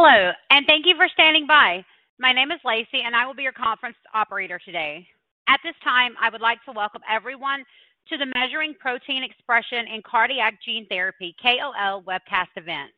Hello, and thank you for standing by. My name is Lacey, and I will be your conference operator today. At this time, I would like to welcome everyone to the Measuring Protein Expression in Cardiac Gene Therapy (KOL) webcast event.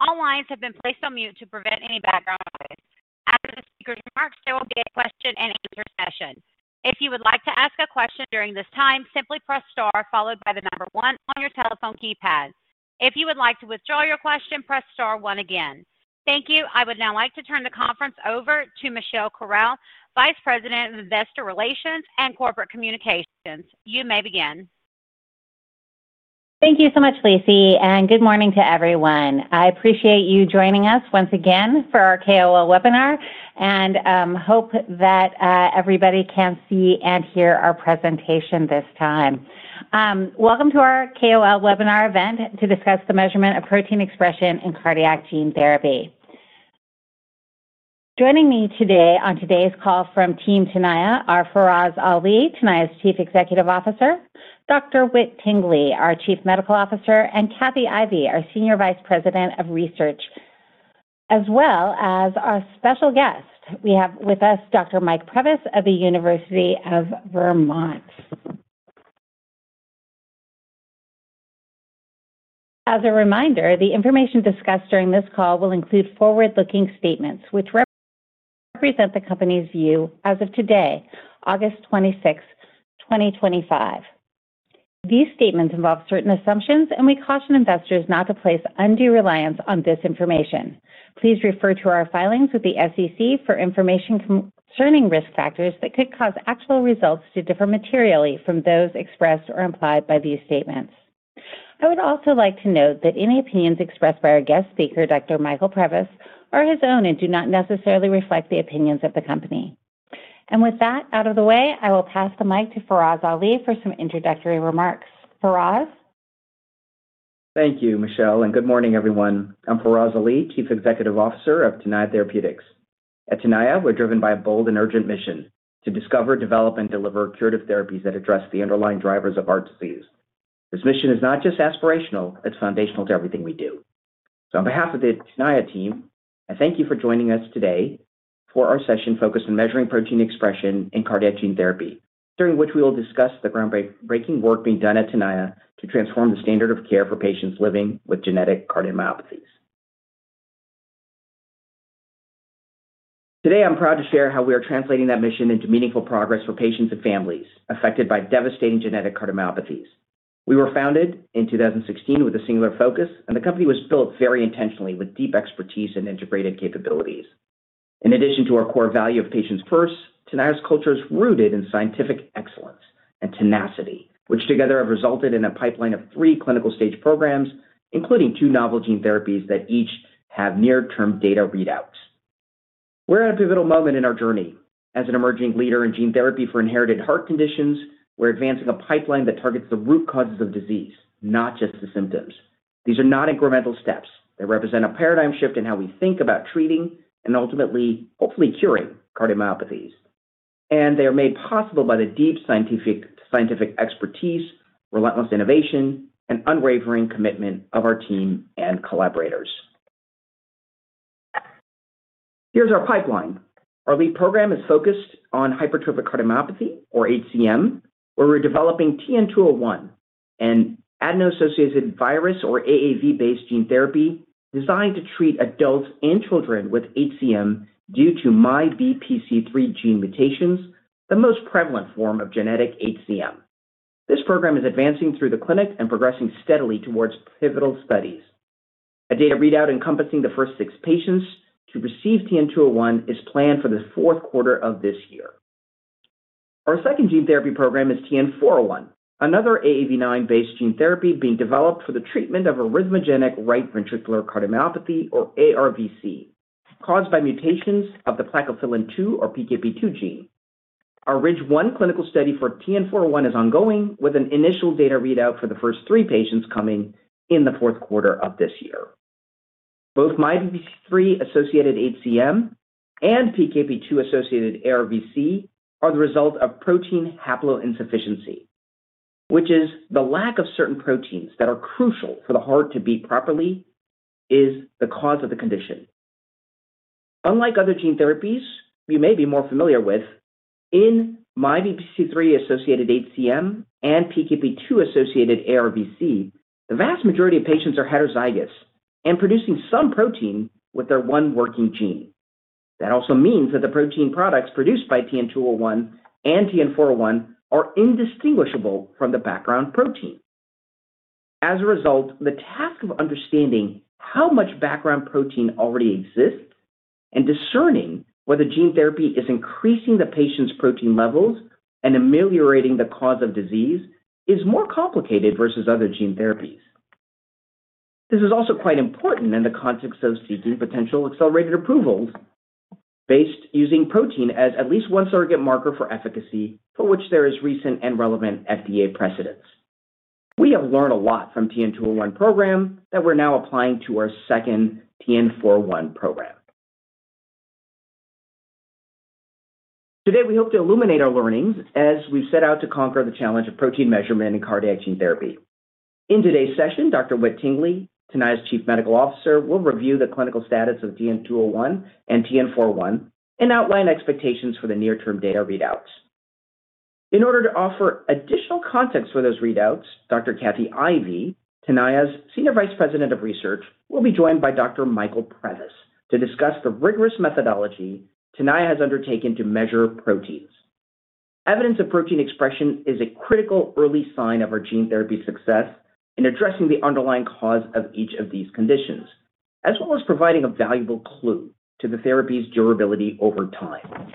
All lines have been placed on mute to prevent any background noise. After the speaker's remarks, there will be a question and answer session. If you would like to ask a question during this time, simply press star followed by the number one on your telephone keypad. If you would like to withdraw your question, press star one again. Thank you. I would now like to turn the conference over to Michelle Corrall, Vice President of Investor Relations and Corporate Communications. You may begin. Thank you so much, Lacey, and good morning to everyone. I appreciate you joining us once again for our KOL webinar and hope that everybody can see and hear our presentation this time. Welcome to our KOL webinar event to discuss the measurement of protein expression in cardiac gene therapy. Joining me today on today's call from Team Tenaya are Faraz Ali, Tenaya's Chief Executive Officer, Dr. Whit Tingley, our Chief Medical Officer, and Kathy Ivey, our Senior Vice President of Research, as well as our special guest. We have with us Dr. Michael Previs of the University of Vermont. As a reminder, the information discussed during this call will include forward-looking statements which represent the company's view as of today, August 26th, 2025. These statements involve certain assumptions, and we caution investors not to place undue reliance on this information. Please refer to our filings with the SEC for information concerning risk factors that could cause actual results to differ materially from those expressed or implied by these statements. I would also like to note that any opinions expressed by our guest speaker, Dr. Michael Previs, are his own and do not necessarily reflect the opinions of the company. With that out of the way, I will pass the mic to Faraz Ali for some introductory remarks. Faraz? Thank you, Michelle, and good morning, everyone. I'm Faraz Ali, Chief Executive Officer of Tenaya Therapeutics. At Tenaya, we're driven by a bold and urgent mission: to discover, develop, and deliver curative therapies that address the underlying drivers of heart disease. This mission is not just aspirational; it's foundational to everything we do. On behalf of the Tenaya team, I thank you for joining us today for our session focused on measuring protein expression in cardiac gene therapy, during which we will discuss the groundbreaking work being done at Tenaya to transform the standard of care for patients living with genetic cardiomyopathies. Today, I'm proud to share how we are translating that mission into meaningful progress for patients and families affected by devastating genetic cardiomyopathies. We were founded in 2016 with a singular focus, and the company was built very intentionally with deep expertise and integrative capabilities. In addition to our core value of patients first, Tenaya's culture is rooted in scientific excellence and tenacity, which together have resulted in a pipeline of three clinical stage programs, including two novel gene therapies that each have near-term data readouts. We're at a pivotal moment in our journey. As an emerging leader in gene therapy for inherited heart conditions, we're advancing a pipeline that targets the root causes of disease, not just the symptoms. These are not incremental steps; they represent a paradigm shift in how we think about treating and ultimately, hopefully, curing cardiomyopathies. They are made possible by the deep scientific expertise, relentless innovation, and unwavering commitment of our team and collaborators. Here's our pipeline. Our lead program is focused on hypertrophic cardiomyopathy, or HCM, where we're developing TN-201, an adeno-associated virus or AAV-based gene therapy designed to treat adults and children with HCM due to MYBPC3 gene mutations, the most prevalent form of genetic HCM. This program is advancing through the clinic and progressing steadily towards pivotal studies. A data readout encompassing the first six patients to receive TN-201 is planned for the fourth quarter of this year. Our second gene therapy program is TN-401, another AAV9-based gene therapy being developed for the treatment of arrhythmogenic right ventricular cardiomyopathy, or ARVC, caused by mutations of the plakophilin-2, or PKP2 gene. Our RIDGE-1 clinical study for TN-401 is ongoing, with an initial data readout for the first three patients coming in the fourth quarter of this year. Both MYBPC3-associated HCM and PKP2-associated ARVC are the result of protein haploinsufficiency, which is the lack of certain proteins that are crucial for the heart to beat properly and is the cause of the condition. Unlike other gene therapies you may be more familiar with, in MYBPC3-associated HCM and PKP2-associated ARVC, the vast majority of patients are heterozygous and producing some protein with their one working gene. That also means that the protein products produced by TN-201 and TN-401 are indistinguishable from the background protein. As a result, the task of understanding how much background protein already exists and discerning whether gene therapy is increasing the patient's protein levels and ameliorating the cause of disease is more complicated versus other gene therapies. This is also quite important in the context of seeking potential accelerated approvals based on using protein as at least one surrogate marker for efficacy, for which there is recent and relevant FDA precedence. We have learned a lot from the TN-201 program that we're now applying to our second TN-401 program. Today, we hope to illuminate our learnings as we set out to conquer the challenge of protein measurement in cardiac gene therapy. In today's session, Dr. Whit Tingley, Tenaya's Chief Medical Officer, will review the clinical status of TN-201 and TN-401 and outline expectations for the near-term data readouts. In order to offer additional context for those readouts, Dr. Kathy Ivey, Tenaya's Senior Vice President of Research, will be joined by Dr. Michael Previs to discuss the rigorous methodology Tenaya has undertaken to measure proteins. Evidence of protein expression is a critical early sign of our gene therapy's success in addressing the underlying cause of each of these conditions, as well as providing a valuable clue to the therapy's durability over time.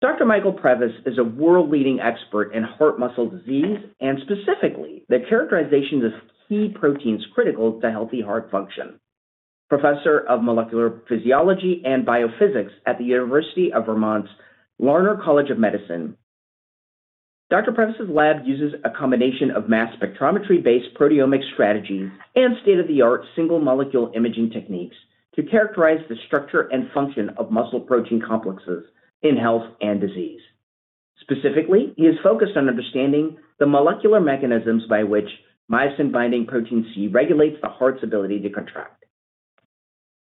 Dr. Michael Previs is a world-leading expert in heart muscle disease and specifically the characterizations of key proteins critical to healthy heart function. Professor of Molecular Physiology and Biophysics at the University of Vermont's Larner College of Medicine, Dr. Previs's lab uses a combination of mass spectrometry-based proteomic strategies and state-of-the-art single-molecule imaging techniques to characterize the structure and function of muscle protein complexes in health and disease. Specifically, he is focused on understanding the molecular mechanisms by which myosin-binding protein C regulates the heart's ability to contract.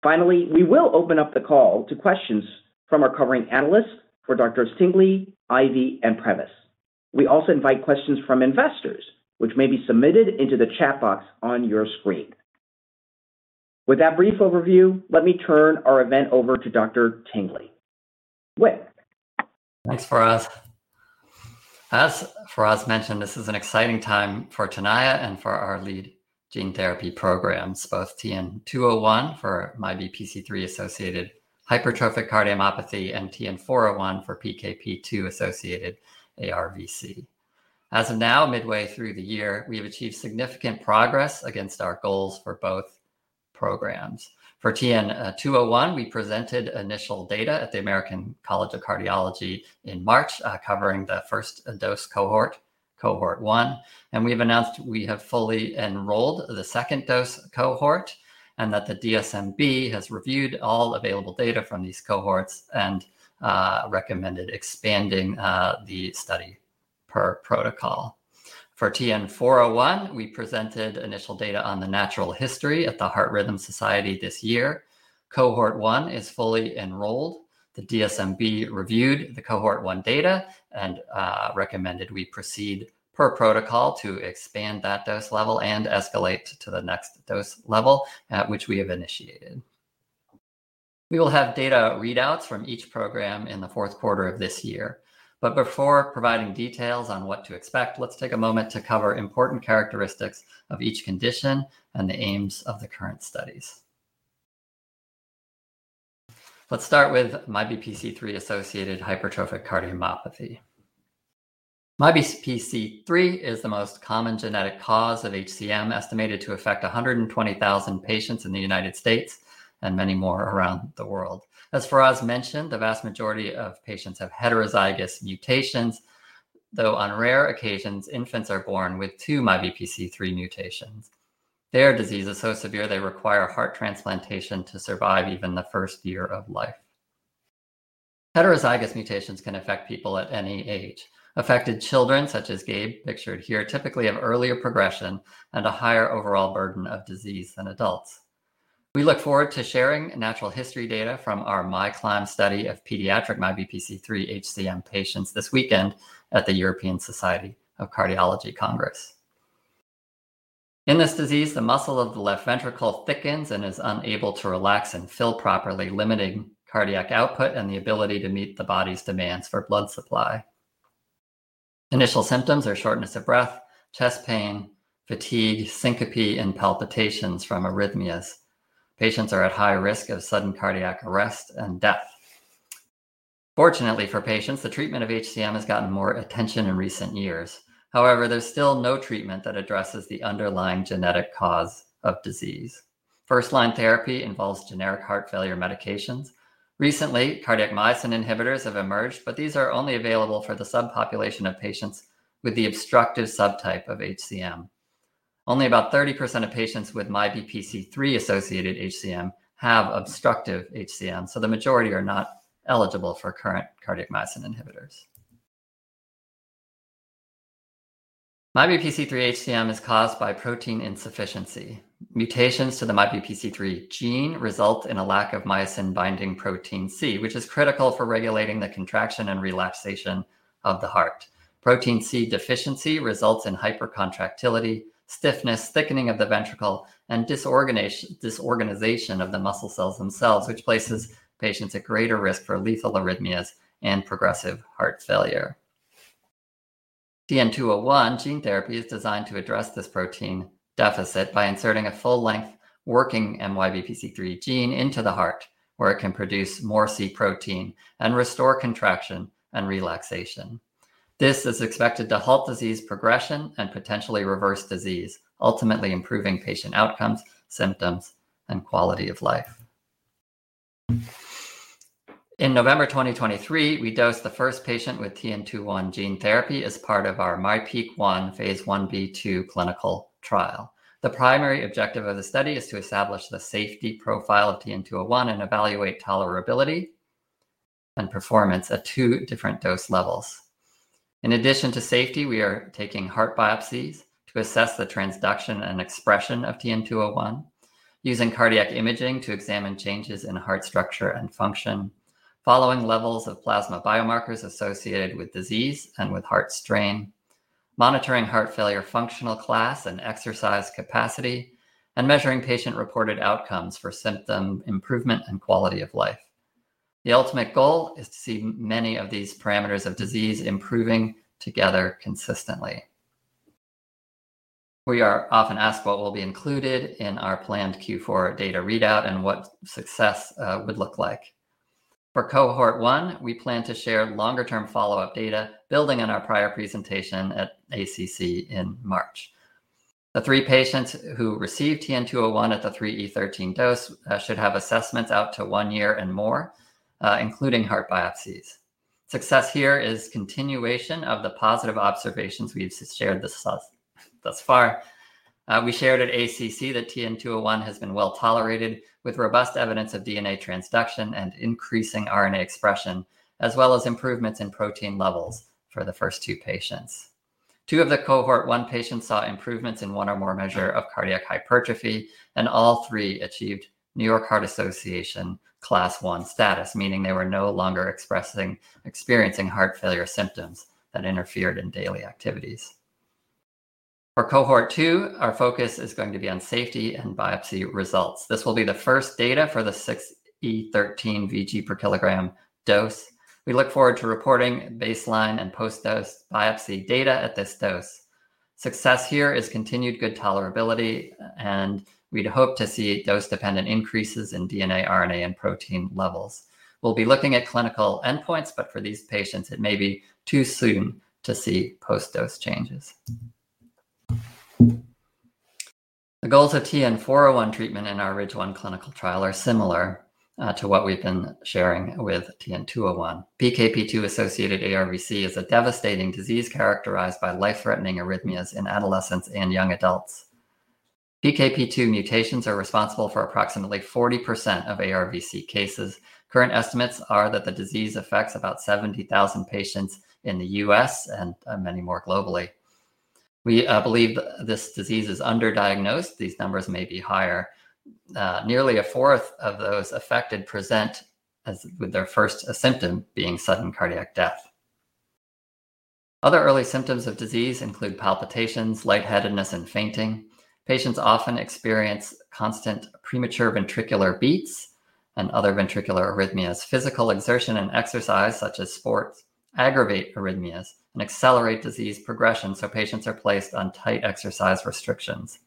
Finally, we will open up the call to questions from our covering analysts for Dr. Tingley, Dr. Ivey, and Dr. Previs. We also invite questions from investors, which may be submitted into the chat box on your screen. With that brief overview, let me turn our event over to Dr. Tingley. Thanks, Faraz. As Faraz mentioned, this is an exciting time for Tenaya Therapeutics and for our lead gene therapy programs, both TN-201 for MYBPC3-associated hypertrophic cardiomyopathy and TN-401 for PKP2-associated ARVC. As of now, midway through the year, we've achieved significant progress against our goals for both programs. For TN-201, we presented initial data at the American College of Cardiology in March, covering the first dose cohort, cohort one, and we've announced we have fully enrolled the second dose cohort and that the DSMB has reviewed all available data from these cohorts and recommended expanding the study per protocol. For TN-401, we presented initial data on the natural history at the Heart Rhythm Society this year. Cohort one is fully enrolled. The DSMB reviewed the cohort one data and recommended we proceed per protocol to expand that dose level and escalate to the next dose level, which we have initiated. We will have data readouts from each program in the fourth quarter of this year. Before providing details on what to expect, let's take a moment to cover important characteristics of each condition and the aims of the current studies. Let's start with MYBPC3-associated hypertrophic cardiomyopathy. MYBPC3 is the most common genetic cause of HCM, estimated to affect 120,000 patients in the United States and many more around the world. As Faraz mentioned, the vast majority of patients have heterozygous mutations, though on rare occasions, infants are born with two MYBPC3 mutations. Their disease is so severe they require heart transplantation to survive even the first year of life. Heterozygous mutations can affect people at any age. Affected children, such as Gabe, pictured here, typically have earlier progression and a higher overall burden of disease than adults. We look forward to sharing natural history data from our MyCLIMB study of pediatric MYBPC3 HCM patients this weekend at the European Society of Cardiology Congress. In this disease, the muscle of the left ventricle thickens and is unable to relax and fill properly, limiting cardiac output and the ability to meet the body's demands for blood supply. Initial symptoms are shortness of breath, chest pain, fatigue, syncope, and palpitations from arrhythmias. Patients are at high risk of sudden cardiac arrest and death. Fortunately for patients, the treatment of HCM has gotten more attention in recent years. However, there's still no treatment that addresses the underlying genetic cause of disease. First-line therapy involves generic heart failure medications. Recently, cardiac myosin inhibitors have emerged, but these are only available for the subpopulation of patients with the obstructive subtype of HCM. Only about 30% of patients with MYBPC3-associated HCM have obstructive HCM, so the majority are not eligible for current cardiac myosin inhibitors. MYBPC3 HCM is caused by protein insufficiency. Mutations to the MYBPC3 gene result in a lack of myosin-binding protein C, which is critical for regulating the contraction and relaxation of the heart. Protein C deficiency results in hypercontractility, stiffness, thickening of the ventricle, and disorganization of the muscle cells themselves, which places patients at greater risk for lethal arrhythmias and progressive heart failure. TN-201 gene therapy is designed to address this protein deficit by inserting a full-length working MYBPC3 gene into the heart, where it can produce more C protein and restore contraction and relaxation. This is expected to halt disease progression and potentially reverse disease, ultimately improving patient outcomes, symptoms, and quality of life. In November 2023, we dosed the first patient with TN-201 gene therapy as part of our MyPEAK-1 phase 1b/2 clinical trial. The primary objective of the study is to establish the safety profile of TN-201 and evaluate tolerability and performance at two different dose levels. In addition to safety, we are taking heart biopsies to assess the transduction and expression of TN-201, using cardiac imaging to examine changes in heart structure and function, following levels of plasma biomarkers associated with disease and with heart strain, monitoring heart failure functional class and exercise capacity, and measuring patient-reported outcomes for symptom improvement and quality of life. The ultimate goal is to see many of these parameters of disease improving together consistently. We are often asked what will be included in our planned Q4 data readout and what success would look like. For cohort one, we plan to share longer-term follow-up data building on our prior presentation at ACC in March. The three patients who receive TN-201 at the 3E13 dose should have assessments out to one year and more, including heart biopsies. Success here is a continuation of the positive observations we've shared thus far. We shared at ACC that TN-201 has been well tolerated, with robust evidence of DNA transduction and increasing RNA expression, as well as improvements in protein levels for the first two patients. Two of the cohort one patients saw improvements in one or more measures of cardiac hypertrophy, and all three achieved New York Heart Association Class 1 status, meaning they were no longer experiencing heart failure symptoms that interfered in daily activities. For cohort two, our focus is going to be on safety and biopsy results. This will be the first data for the 6E13 VG/kg dose. We look forward to reporting baseline and post-dose biopsy data at this dose. Success here is continued good tolerability, and we'd hope to see dose-dependent increases in DNA, RNA, and protein levels. We'll be looking at clinical endpoints, but for these patients, it may be too soon to see post-dose changes. The goals of TN-401 treatment in our RIDGE-1 clinical trial are similar to what we've been sharing with TN-201. PKP2-associated ARVC is a devastating disease characterized by life-threatening arrhythmias in adolescents and young adults. PKP2 mutations are responsible for approximately 40% of ARVC cases. Current estimates are that the disease affects about 70,000 patients in the U.S. and many more globally. We believe that this disease is underdiagnosed. These numbers may be higher. Nearly a fourth of those affected present with their first symptom being sudden cardiac death. Other early symptoms of disease include palpitations, lightheadedness, and fainting. Patients often experience constant premature ventricular beats and other ventricular arrhythmias. Physical exertion and exercise, such as sports, aggravate arrhythmias and accelerate disease progression, so patients are placed on tight exercise restrictions.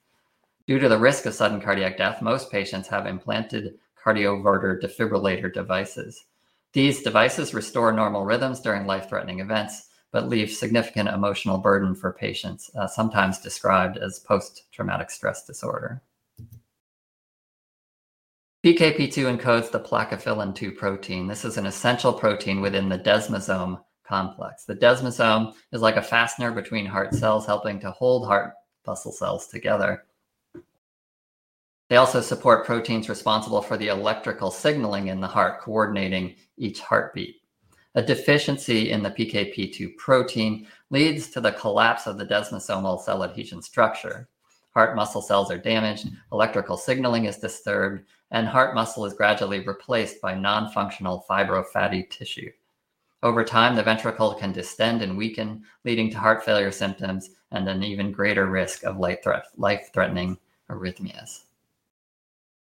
Due to the risk of sudden cardiac death, most patients have implanted cardioverter defibrillator devices. These devices restore normal rhythms during life-threatening events but leave significant emotional burden for patients, sometimes described as post-traumatic stress disorder. PKP2 encodes the plakophilin-2 protein. This is an essential protein within the desmosome complex. The desmosome is like a fastener between heart cells, helping to hold heart muscle cells together. They also support proteins responsible for the electrical signaling in the heart, coordinating each heartbeat. A deficiency in the PKP2 protein leads to the collapse of the desmosomal cell adhesion structure. Heart muscle cells are damaged, electrical signaling is disturbed, and heart muscle is gradually replaced by nonfunctional fibrofatty tissue. Over time, the ventricle can distend and weaken, leading to heart failure symptoms and an even greater risk of life-threatening arrhythmias.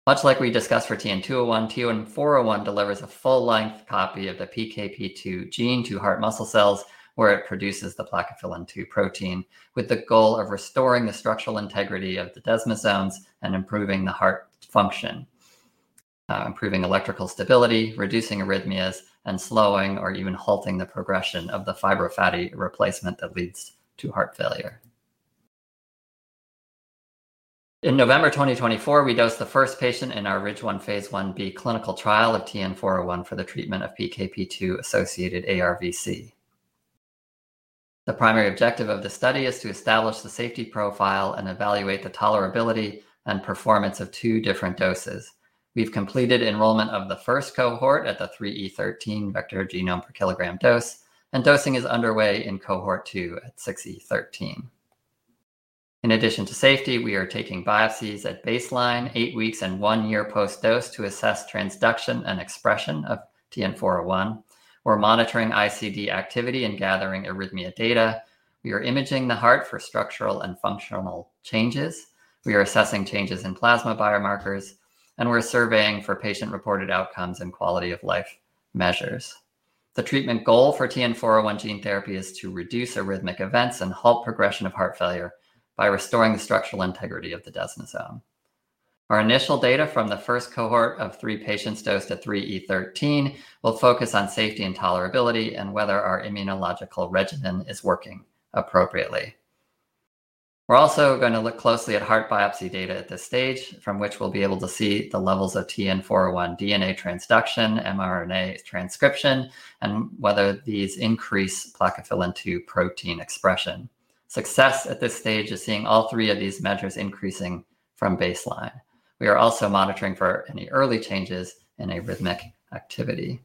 Much like we discussed for TN-201, TN-401 delivers a full-length copy of the PKP2 gene to heart muscle cells, where it produces the plakophilin-2 protein with the goal of restoring the structural integrity of the desmosomes and improving the heart function, improving electrical stability, reducing arrhythmias, and slowing or even halting the progression of the fibrofatty replacement that leads to heart failure. In November 2024, we dosed the first patient in our RIDGE-1 Phase 1b clinical trial of TN-401 for the treatment of PKP2-associated ARVC. The primary objective of the study is to establish the safety profile and evaluate the tolerability and performance of two different doses. We've completed enrollment of the first cohort at the 3E13 vector genome-per-kilogram dose, and dosing is underway in cohort two at 6E13. In addition to safety, we are taking biopsies at baseline, eight weeks, and one year post-dose to assess transduction and expression of TN-401. We're monitoring ICD activity and gathering arrhythmia data. We are imaging the heart for structural and functional changes. We are assessing changes in plasma biomarkers, and we're surveying for patient-reported outcomes and quality of life measures. The treatment goal for TN-401 gene therapy is to reduce arrhythmic events and halt progression of heart failure by restoring the structural integrity of the desmosome. Our initial data from the first cohort of three patients dosed at 3E13 will focus on safety and tolerability and whether our immunological regimen is working appropriately. We're also going to look closely at heart biopsy data at this stage, from which we'll be able to see the levels of TN-401 DNA transduction, mRNA transcription, and whether these increase plakophilin-2 protein expression. Success at this stage is seeing all three of these measures increasing from baseline. We are also monitoring for any early changes in arrhythmic activity.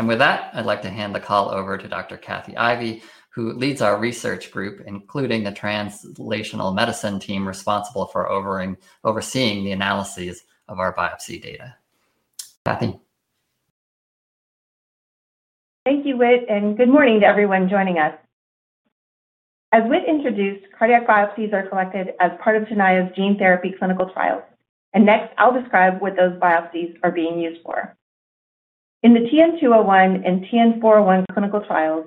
With that, I'd like to hand the call over to Dr. Kathy Ivey, who leads our research group, including the Translational Medicine team responsible for overseeing the analyses of our biopsy data. Kathy. Thank you, Whit, and good morning to everyone joining us. As Whit introduced, cardiac biopsies are collected as part of Tenaya Therapeutics' gene therapy clinical trials. Next, I'll describe what those biopsies are being used for. In the TN-201 and TN-401 clinical trials,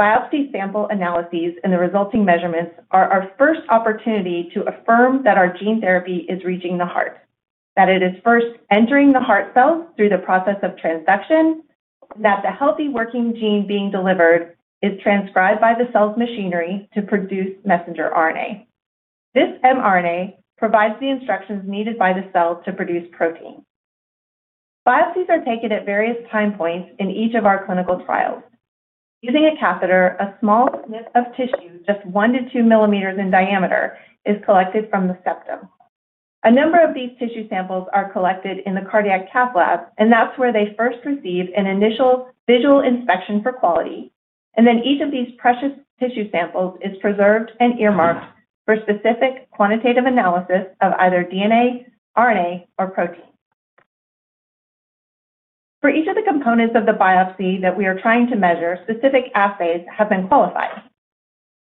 biopsy sample analyses and the resulting measurements are our first opportunity to affirm that our gene therapy is reaching the heart, that it is first entering the heart cells through the process of transduction, and that the healthy working gene being delivered is transcribed by the cell's machinery to produce messenger RNA. This mRNA provides the instructions needed by the cell to produce protein. Biopsies are taken at various time points in each of our clinical trials. Using a catheter, a small snip of tissue, just 1 mm-2 mm in diameter, is collected from the septum. A number of these tissue samples are collected in the cardiac cath lab, and that's where they first receive an initial visual inspection for quality. Each of these precious tissue samples is preserved and earmarked for specific quantitative analysis of either DNA, RNA, or protein. For each of the components of the biopsy that we are trying to measure, specific assays have been qualified.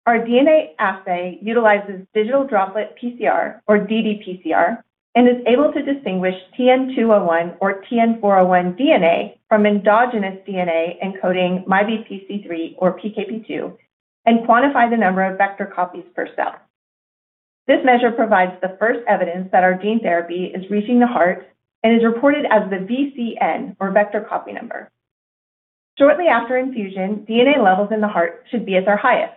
Our DNA assay utilizes digital droplet PCR, or ddPCR, and is able to distinguish TN-201 or TN-401 DNA from endogenous DNA encoding MYBPC3 or PKP2 and quantify the number of vector copies per cell. This measure provides the first evidence that our gene therapy is reaching the heart and is reported as the VCN or vector copy number. Shortly after infusion, DNA levels in the heart should be at their highest.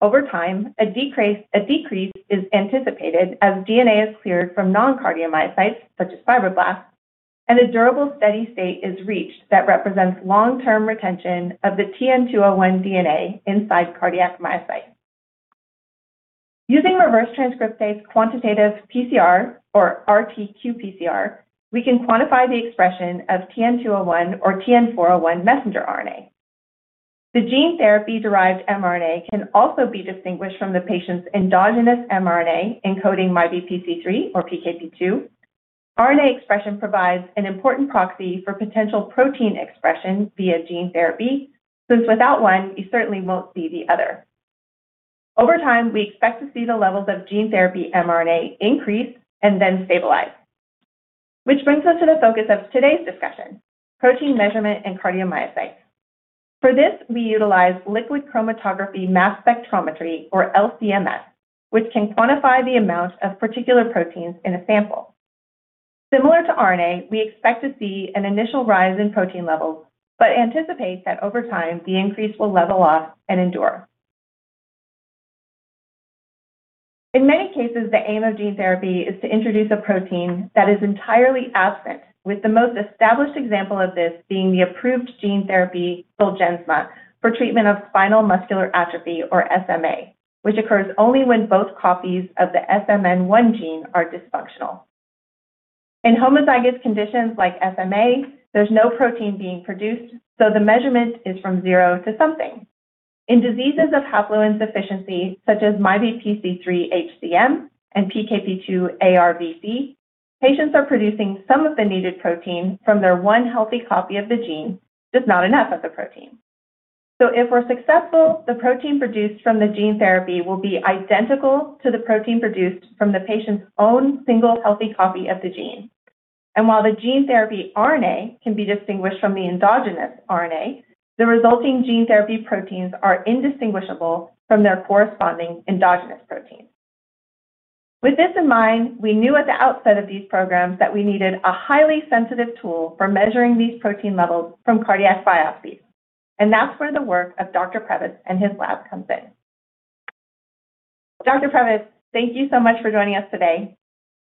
Over time, a decrease is anticipated as DNA is cleared from non-cardiomyocytes, such as fibroblasts, and a durable steady state is reached that represents long-term retention of the TN-201 DNA inside cardiac myocytes. Using reverse transcriptase quantitative PCR, or RT-qPCR, we can quantify the expression of TN-201 or TN-401 messenger RNA. The gene therapy-derived mRNA can also be distinguished from the patient's endogenous mRNA encoding MYBPC3 or PKP2. RNA expression provides an important proxy for potential protein expression via gene therapy, since without one, you certainly won't see the other. Over time, we expect to see the levels of gene therapy mRNA increase and then stabilize, which brings us to the focus of today's discussion, protein measurement and cardiomyocytes. For this, we utilize liquid chromatography–mass spectrometry, or LCMS, which can quantify the amount of particular proteins in a sample. Similar to RNA, we expect to see an initial rise in protein levels but anticipate that over time the increase will level off and endure. In many cases, the aim of gene therapy is to introduce a protein that is entirely absent, with the most established example of this being the approved gene therapy Zolgensma for treatment of spinal muscular atrophy, or SMA, which occurs only when both copies of the SMN1 gene are dysfunctional. In homozygous conditions like SMA, there's no protein being produced, so the measurement is from zero to something. In diseases of haploinsufficiency, such as MYBPC3 HCM and PKP2 ARVC, patients are producing some of the needed protein from their one healthy copy of the gene, just not enough of the protein. If we're successful, the protein produced from the gene therapy will be identical to the protein produced from the patient's own single healthy copy of the gene. While the gene therapy RNA can be distinguished from the endogenous RNA, the resulting gene therapy proteins are indistinguishable from their corresponding endogenous protein. With this in mind, we knew at the outset of these programs that we needed a highly sensitive tool for measuring these protein levels from cardiac biopsies. That's where the work of Dr. Previs and his lab comes in. Dr. Previs, thank you so much for joining us today.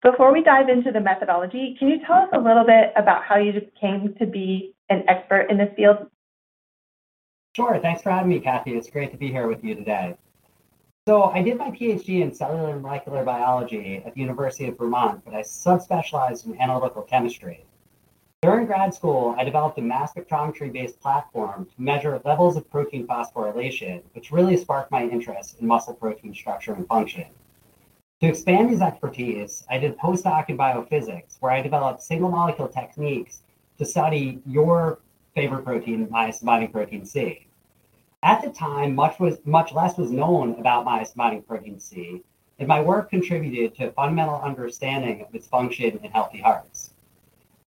Before we dive into the methodology, can you tell us a little bit about how you came to be an expert in this field? Sure. Thanks for having me, Kathy. It's great to be here with you today. I did my PhD in cellular molecular biology at the University of Vermont, but I subspecialized in analytical chemistry. During grad school, I developed a mass spectrometry-based platform to measure levels of protein phosphorylation, which really sparked my interest in muscle protein structure and function. To expand this expertise, I did a postdoc in biophysics, where I developed single-molecule techniques to study your favorite protein, myosin-binding protein C. At the time, much less was known about myosin-binding protein C, and my work contributed to a fundamental understanding of its function in healthy hearts.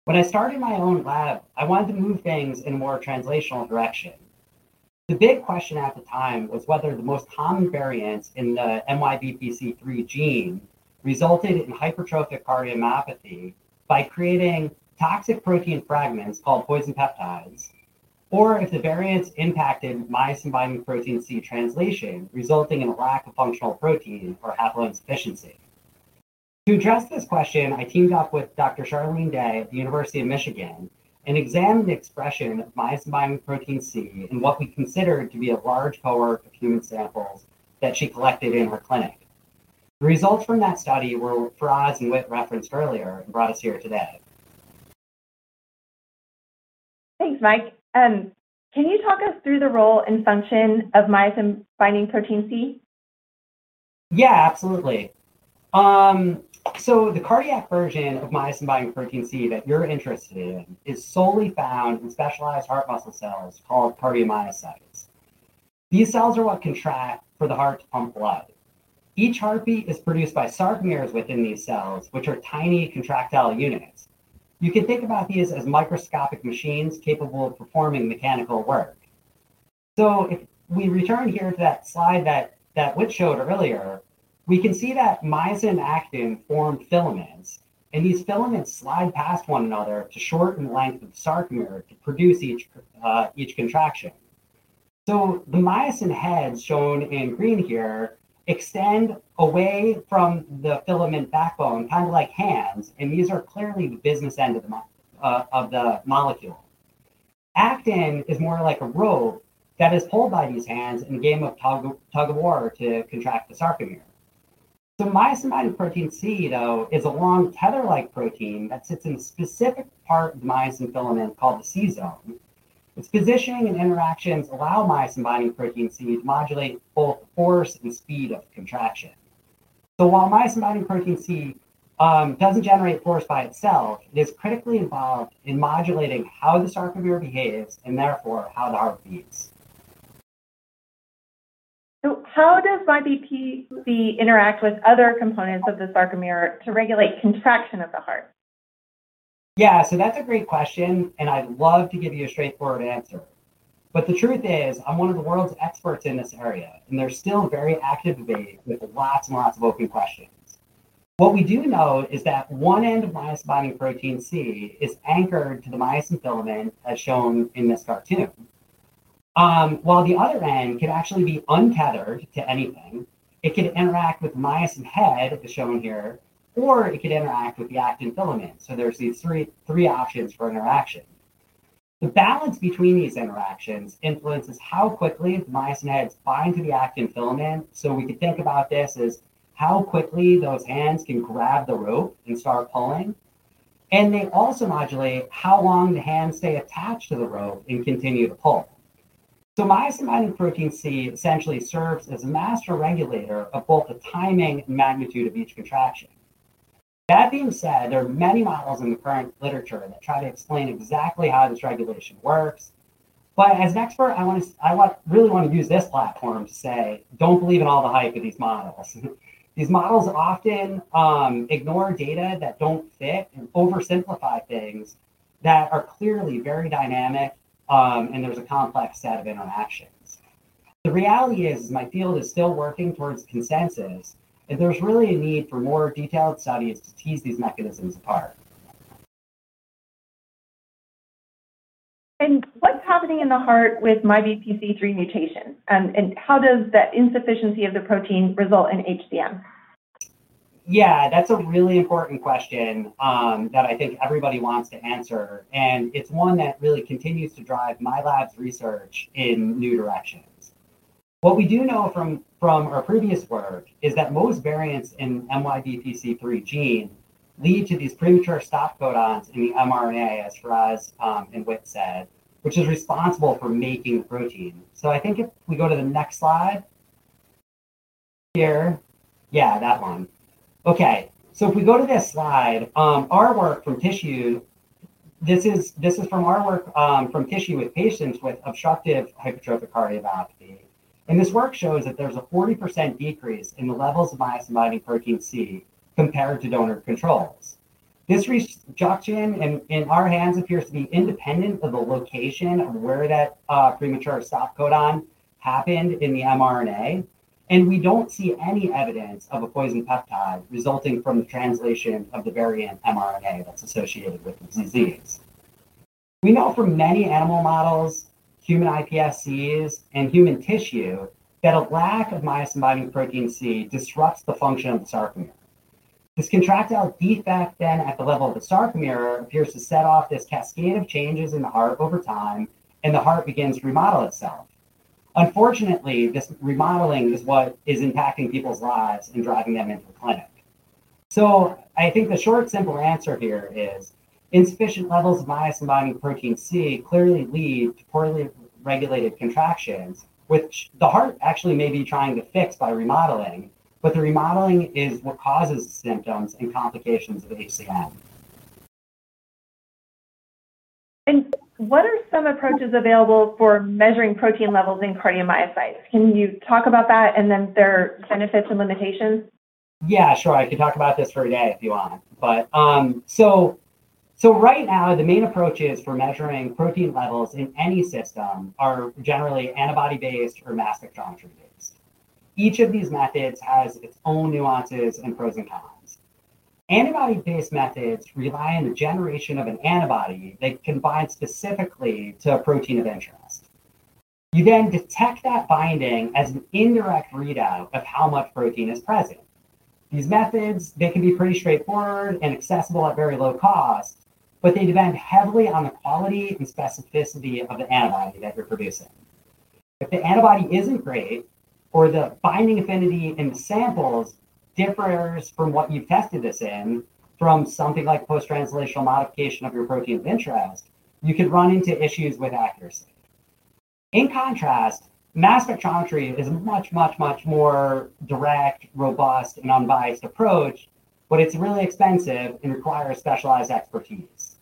When I started my own lab, I wanted to move things in a more translational direction. The big question at the time was whether the most common variants in the MYBPC3 gene resulted in hypertrophic cardiomyopathy by creating toxic protein fragments called poison peptides, or if the variants impacted myosin-binding protein C translation, resulting in a lack of functional protein or haploinsufficiency. To address this question, I teamed up with Dr. Charlene Day at the University of Michigan and examined the expression of myosin-binding protein C in what we considered to be a large cohort of human samples that she collected in her clinic. The results from that study were Faraz and Whit referenced earlier and brought us here today. Thanks, Mike. Can you talk us through the role and function of myosin-binding protein C? Yeah, absolutely. The cardiac version of myosin-binding protein C that you're interested in is solely found in specialized heart muscle cells called cardiomyocytes. These cells are what contract for the heart to pump blood. Each heartbeat is produced by sarcomeres within these cells, which are tiny contractile units. You can think about these as microscopic machines capable of performing mechanical work. If we return here to that slide that Whit showed earlier, we can see that myosin and actin form filaments, and these filaments slide past one another to shorten the length of the sarcomere to produce each contraction. The myosin heads, shown in green here, extend away from the filament backbone, kind of like hands, and these are clearly the business end of the molecule. Actin is more like a rope that is pulled by these hands in a game of tug of war to contract the sarcomere. The myosin-binding protein C, though, is a long tether-like protein that sits in a specific part of the myosin filament called the C zone. Its positioning and interactions allow myosin-binding protein C to modulate both the force and speed of contraction. While myosin-binding protein C doesn't generate force by itself, it is critically involved in modulating how the sarcomere behaves and therefore how the heart beats. How does myosin-binding protein C interact with other components of the sarcomere to regulate contraction of the heart? Yeah, that's a great question, and I'd love to give you a straightforward answer. The truth is, I'm one of the world's experts in this area, and there's still a very active debate with lots and lots of open questions. What we do know is that one end of myosin-binding protein C is anchored to the myosin filament, as shown in this cartoon. The other end could actually be untethered to anything, it could interact with the myosin head, as shown here, or it could interact with the actin filament. There are these three options for interaction. The balance between these interactions influences how quickly myosin heads bind to the actin filament. We could think about this as how quickly those hands can grab the rope and start pulling, and they also modulate how long the hands stay attached to the rope and continue to pull. Myosin-binding protein C essentially serves as a master regulator of both the timing and magnitude of each contraction. That being said, there are many models in the current literature that try to explain exactly how this regulation works. As an expert, I really want to use this platform to say, don't believe in all the hype of these models. These models often ignore data that don't fit and oversimplify things that are clearly very dynamic, and there's a complex set of interactions. The reality is, my field is still working towards consensus, and there's really a need for more detailed studies to tease these mechanisms apart. What is happening in the heart with MYBPC3 mutation? How does that insufficiency of the protein result in HCM? Yeah, that's a really important question that I think everybody wants to answer, and it's one that really continues to drive my lab's research in new directions. What we do know from our previous work is that most variants in the MYBPC3 gene lead to these premature stop codons in the mRNA, as Faraz and Whit said, which is responsible for making protein. If we go to the next slide here, yeah, that one. Okay, if we go to this slide, our work from tissue, this is from our work from tissue with patients with obstructive hypertrophic cardiomyopathy. This work shows that there's a 40% decrease in the levels of myosin-binding protein C compared to donor controls. This reduction in our hands appears to be independent of the location of where that premature stop codon happened in the mRNA, and we don't see any evidence of a poison peptide resulting from the translation of the variant mRNA that's associated with the disease. We know from many animal models, human iPSCs, and human tissue that a lack of myosin-binding protein C disrupts the function of the sarcomere. This contractile defect then at the level of the sarcomere appears to set off this cascade of changes in the heart over time, and the heart begins to remodel itself. Unfortunately, this remodeling is what is impacting people's lives and driving them into the clinic. I think the short, simple answer here is insufficient levels of myosin-binding protein C clearly lead to poorly regulated contractions, which the heart actually may be trying to fix by remodeling, but the remodeling is what causes symptoms and complications of HCM. What are some approaches available for measuring protein levels in cardiomyocytes? Can you talk about that and then their benefits and limitations? Yeah, sure. I can talk about this for a day if you want. Right now, the main approaches for measuring protein levels in any system are generally antibody-based or mass spectrometry-based. Each of these methods has its own nuances and pros and cons. Antibody-based methods rely on the generation of an antibody that you can bind specifically to a protein of interest. You then detect that binding as an indirect readout of how much protein is present. These methods can be pretty straightforward and accessible at very low cost, but they depend heavily on the quality and specificity of the antibody that you're producing. If the antibody isn't great or the binding affinity in the samples differs from what you've tested this in from something like post-translational modification of your protein of interest, you could run into issues with accuracy. In contrast, mass spectrometry is a much, much, much more direct, robust, and unbiased approach, but it's really expensive and requires specialized expertise.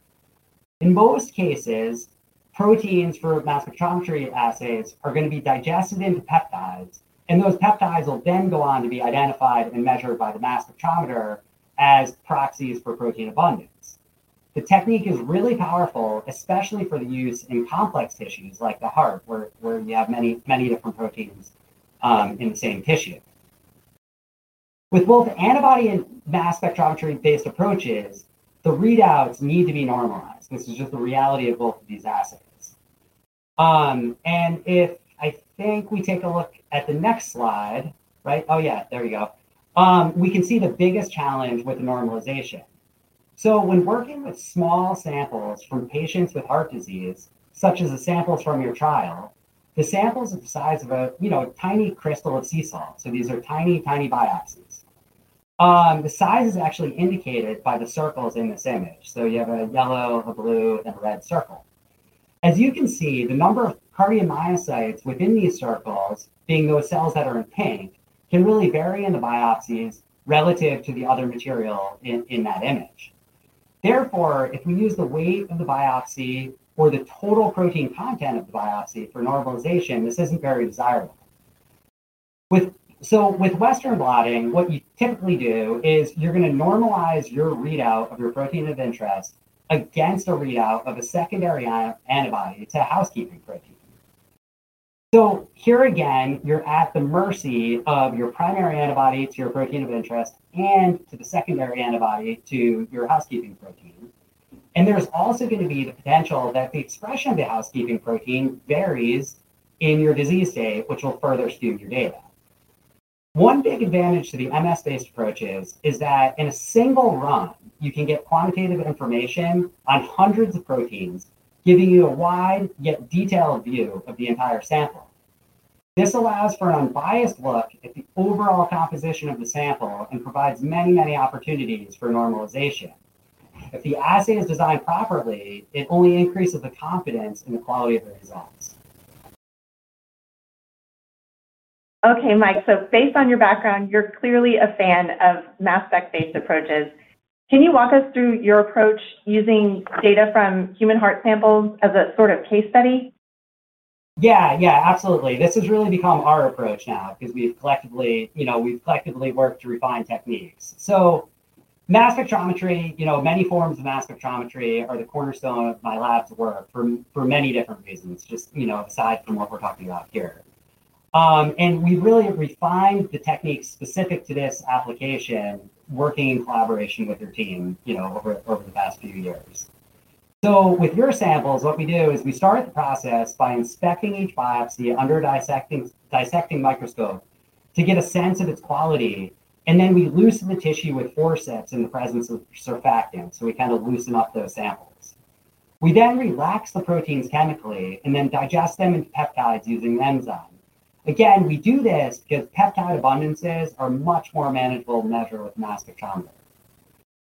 In most cases, proteins for mass spectrometry assays are going to be digested into peptides, and those peptides will then go on to be identified and measured by the mass spectrometer as proxies for protein abundance. The technique is really powerful, especially for the use in complex tissues like the heart, where you have many, many different proteins in the same tissue. With both antibody and mass spectrometry-based approaches, the readouts need to be normalized. This is just the reality of both of these assays. If I think we take a look at the next slide, right? Oh, yeah, there you go. We can see the biggest challenge with the normalization. When working with small samples from patients with heart disease, such as the samples from your trial, the samples are the size of a tiny crystal of sea salt. These are tiny, tiny biopsies. The size is actually indicated by the circles in this image. You have a yellow, a blue, and a red circle. As you can see, the number of cardiomyocytes within these circles, being those cells that are in pink, can really vary in the biopsies relative to the other material in that image. Therefore, if we use the weight of the biopsy or the total protein content of the biopsy for normalization, this isn't very desirable. With Western blotting, what you typically do is you're going to normalize your readout of your protein of interest against a readout of a secondary antibody to a housekeeping protein. Here again, you're at the mercy of your primary antibody to your protein of interest and to the secondary antibody to your housekeeping protein. There's also going to be the potential that the expression of the housekeeping protein varies in your disease state, which will further skew your data. One big advantage to the MS-based approach is that in a single run, you can get quantitative information on hundreds of proteins, giving you a wide yet detailed view of the entire sample. This allows for an unbiased look at the overall composition of the sample and provides many, many opportunities for normalization. If the assay is designed properly, it only increases the confidence in the quality of the results. Okay, Mike. Based on your background, you're clearly a fan of mass spec-based approaches. Can you walk us through your approach using data from human heart samples as a sort of case study? Yeah, yeah, absolutely. This has really become our approach now because we've collectively worked to refine techniques. Mass spectrometry, you know, many forms of mass spectrometry are the cornerstone of my lab's work for many different reasons, just aside from what we're talking about here. We've really refined the techniques specific to this application, working in collaboration with your team over the past few years. With your samples, what we do is we start the process by inspecting each biopsy under a dissecting microscope to get a sense of its quality, and then we loosen the tissue with forceps in the presence of surfactant. We kind of loosen up those samples. We then relax the proteins chemically and then digest them into peptides using enzymes. We do this because peptide abundances are a much more manageable measure with mass spectrometry.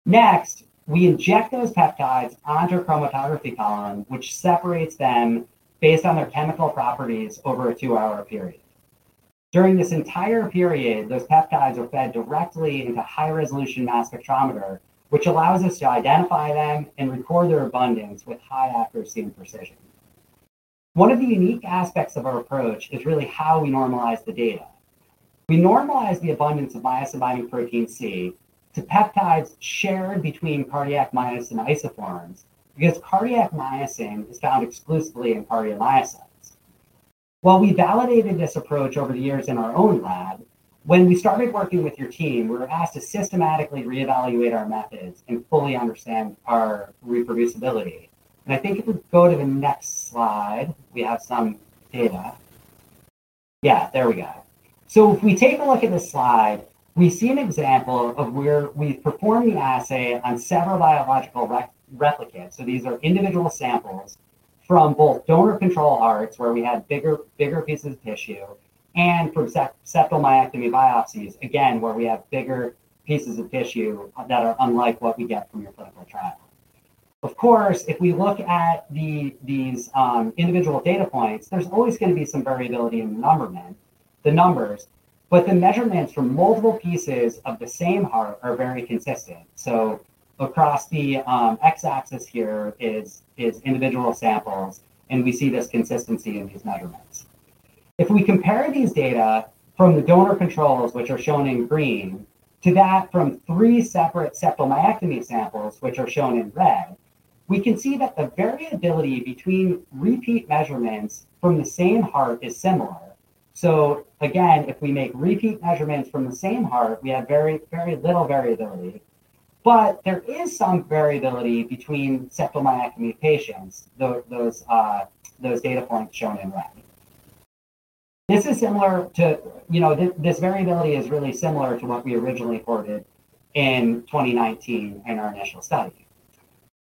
Next, we inject those peptides onto a chromatography column, which separates them based on their chemical properties over a two-hour period. During this entire period, those peptides are fed directly into a high-resolution mass spectrometer, which allows us to identify them and record their abundance with high accuracy and precision. One of the unique aspects of our approach is really how we normalize the data. We normalize the abundance of myosin-binding protein C to peptides shared between cardiac myosin isoforms because cardiac myosin is found exclusively in cardiomyocytes. While we validated this approach over the years in our own lab, when we started working with your team, we were asked to systematically reevaluate our methods and fully understand our reproducibility. I think if we go to the next slide, we have some data. Yeah, there we go. If we take a look at this slide, we see an example of where we performed the assay on several biological replicants. These are individual samples from both donor control hearts, where we had bigger pieces of tissue, and from septal myectomy biopsies, again, where we have bigger pieces of tissue that are unlike what we get from your clinical trial. Of course, if we look at these individual data points, there's always going to be some variability in the numbers, but the measurements for multiple pieces of the same heart are very consistent. Across the x-axis here is individual samples, and we see this consistency in these measurements. If we compare these data from the donor controls, which are shown in green, to that from three separate septal myectomy samples, which are shown in red, we can see that the variability between repeat measurements from the same heart is similar. Again, if we make repeat measurements from the same heart, we have very little variability. There is some variability between septal myectomy patients, those data points shown in red. This variability is really similar to what we originally reported in 2019 in our initial study.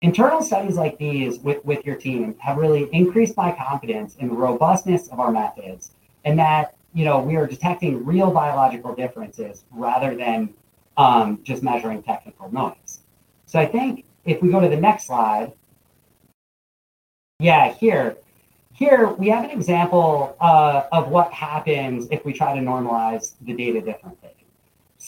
Internal studies like these with your team have really increased my confidence in the robustness of our methods and that we are detecting real biological differences rather than just measuring technical noise. I think if we go to the next slide, here we have an example of what happens if we try to normalize the data differently.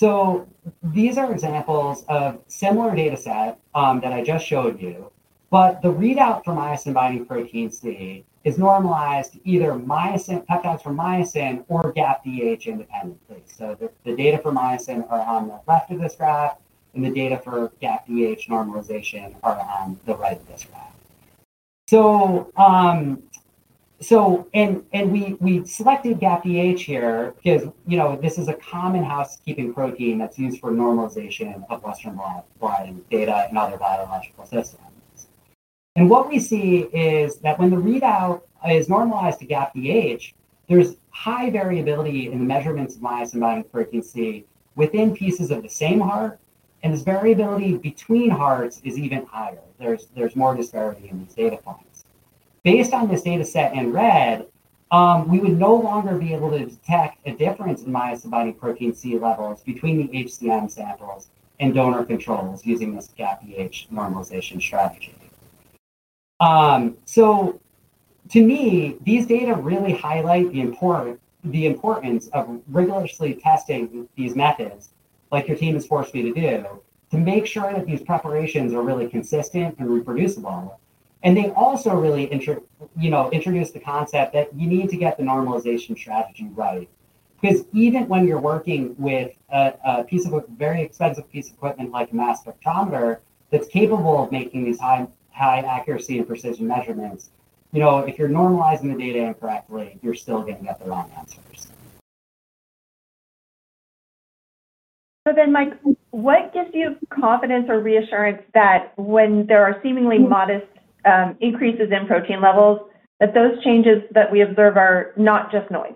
These are examples of a similar data set that I just showed you, but the readout for myosin-binding protein C is normalized to either peptides for myosin or GAPDH independently. The data for myosin are on the left of this graph, and the data for GAPDH normalization are on the right of this graph. We selected GAPDH here because this is a common housekeeping protein that's used for normalization of Western blotting data in other biological systems. What we see is that when the readout is normalized to GAPDH, there's high variability in the measurements of myosin-binding protein C within pieces of the same heart, and this variability between hearts is even higher. There's more disparity in these data points. Based on this data set in red, we would no longer be able to detect a difference in myosin-binding protein C levels between the HCM samples and donor controls using this GAPDH normalization strategy. To me, these data really highlight the importance of rigorously testing these methods, like your team has forced me to do, to make sure that these preparations are really consistent and reproducible. They also really introduce the concept that you need to get the normalization strategy right. Even when you're working with a piece of a very expensive piece of equipment like a mass spectrometer that's capable of making these high accuracy and precision measurements, if you're normalizing the data incorrectly, you're still going to get the wrong answers. Mike, what gives you confidence or reassurance that when there are seemingly modest increases in protein levels, those changes that we observe are not just noise?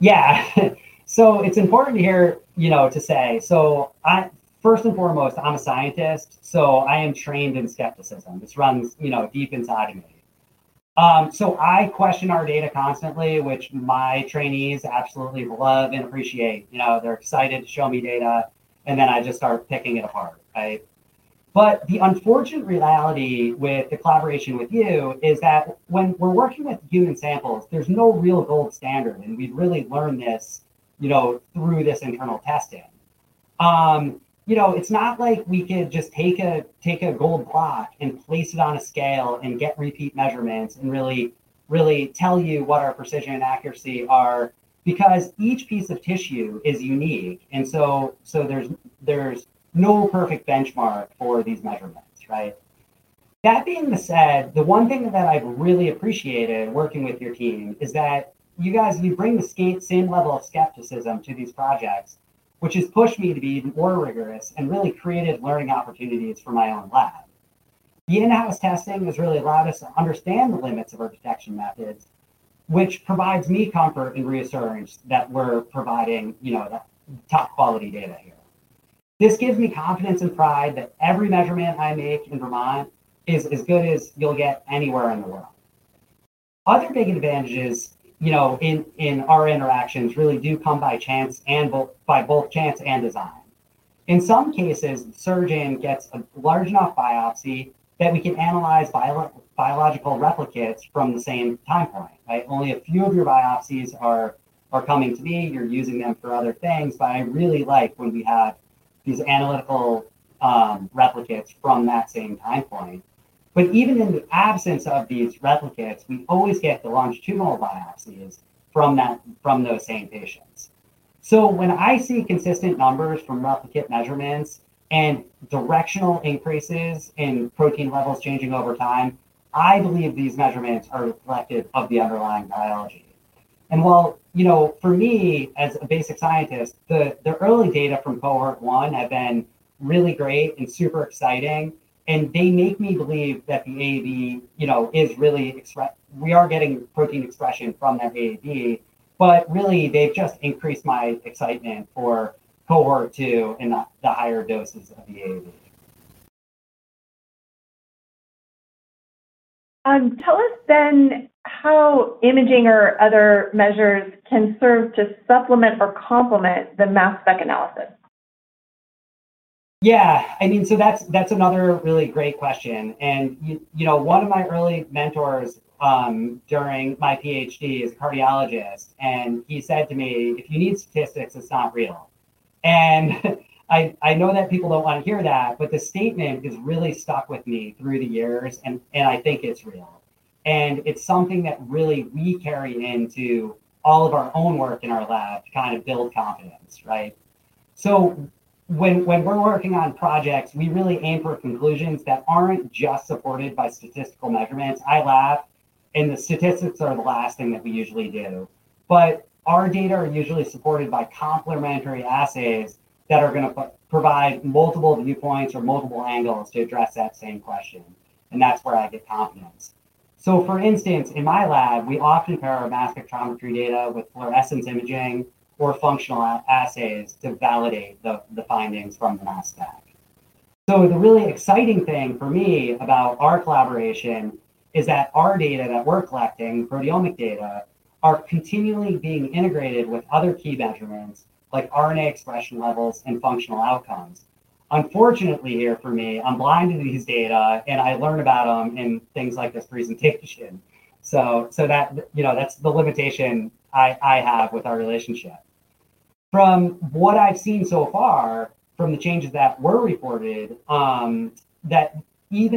Yeah. It's important here, you know, to say, first and foremost, I'm a scientist, so I am trained in skepticism. This runs, you know, deep inside of me. I question our data constantly, which my trainees absolutely love and appreciate. They're excited to show me data, and then I just start picking it apart, right? The unfortunate reality with the collaboration with you is that when we're working with human samples, there's no real gold standard, and we've really learned this, you know, through this internal testing. It's not like we could just take a gold clock and place it on a scale and get repeat measurements and really, really tell you what our precision and accuracy are because each piece of tissue is unique. There's no perfect benchmark for these measurements, right? That being said, the one thing that I've really appreciated working with your team is that you guys, you bring the same level of skepticism to these projects, which has pushed me to be even more rigorous and really creative learning opportunities for my own lab. The in-house testing has really allowed us to understand the limits of our detection methods, which provides me comfort and reassurance that we're providing, you know, the top quality data here. This gives me confidence and pride that every measurement I make in Vermont is as good as you'll get anywhere in the world. Other big advantages, you know, in our interactions really do come by chance and by both chance and design. In some cases, a surgeon gets a large enough biopsy that we can analyze biological replicates from the same time point, right? Only a few of your biopsies are coming to me. You're using them for other things, but I really like when we have these analytical replicates from that same time point. Even in the absence of these replicates, we always get the longitudinal biopsies from those same patients. When I see consistent numbers from replicate measurements and directional increases in protein levels changing over time, I believe these measurements are reflective of the underlying biology. While, you know, for me, as a basic scientist, the early data from cohort one have been really great and super exciting, and they make me believe that the adeno-associated virus is really, we are getting protein expression from that adeno-associated virus, but really, they just increase my excitement for cohort two and the higher doses of the adeno-associated virus. Tell us then how imaging or other measures can serve to supplement or complement the mass spec analysis. Yeah, I mean, that's another really great question. One of my early mentors during my PhD is a cardiologist, and he said to me, "If you need statistics, it's not real." I know that people don't want to hear that, but the statement has really stuck with me through the years, and I think it's real. It's something that we carry into all of our own work in our lab to kind of build confidence, right? When we're working on projects, we really aim for conclusions that aren't just supported by statistical measurements. I laugh, and the statistics are the last thing that we usually do. Our data are usually supported by complementary assays that are going to provide multiple viewpoints or multiple angles to address that same question. That's where I get confidence. For instance, in my lab, we often pair our mass spectrometry data with fluorescence imaging or functional assays to validate the findings from the mass spec. The really exciting thing for me about our collaboration is that our data that we're collecting, proteomic data, are continually being integrated with other key measurements like RNA expression levels and functional outcomes. Unfortunately here for me, I'm blind to these data, and I learn about them in things like this presentation. That's the limitation I have with our relationship. From what I've seen so far from the changes that were reported, even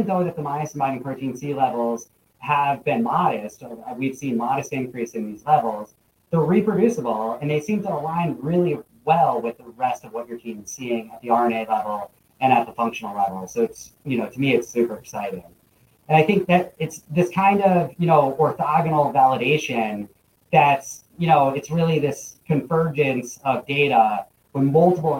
though the myosin-binding protein C levels have been modest, we've seen a modest increase in these levels, they're reproducible, and they seem to align really well with the rest of what your team is seeing at the RNA level and at the functional level. To me, it's super exciting. I think that it's this kind of orthogonal validation that's really this convergence of data when multiple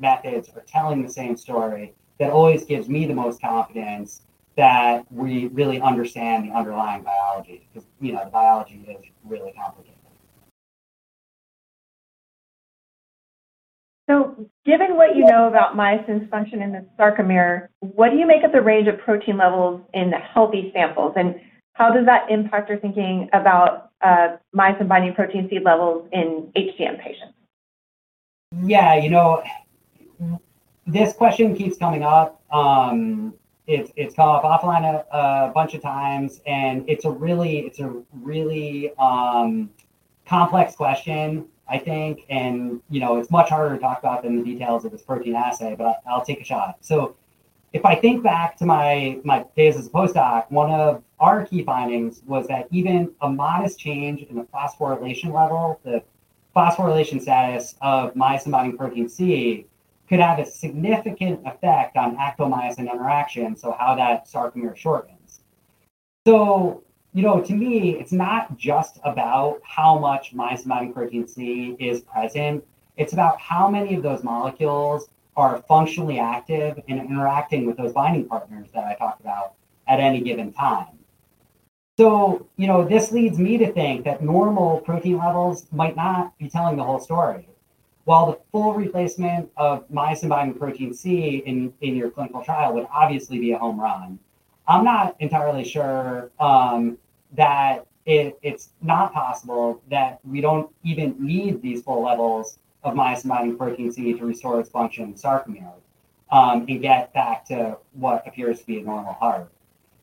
methods are telling the same story that always gives me the most confidence that we really understand the underlying biology. The biology is really complicated. Given what you know about myosin's function in the sarcomere, what do you make of the range of protein levels in healthy samples? How does that impact your thinking about myosin-binding protein C levels in HCM patients? Yeah, you know, this question keeps coming up. It's come up offline a bunch of times, and it's a really complex question, I think. It's much harder to talk about than the details of this protein assay, but I'll take a shot. If I think back to my days as a postdoc, one of our key findings was that even a modest change in the phosphorylation level, the phosphorylation status of myosin-binding protein C, could have a significant effect on actomyosin interaction, so how that sarcomere shortens. To me, it's not just about how much myosin-binding protein C is present. It's about how many of those molecules are functionally active and interacting with those binding partners that I talked about at any given time. This leads me to think that normal protein levels might not be telling the whole story. While the full replacement of myosin-binding protein C in your clinical trial would obviously be a home run, I'm not entirely sure that it's not possible that we don't even need these full levels of myosin-binding protein C to restore its function in the sarcomere to get back to what appears to be a normal heart.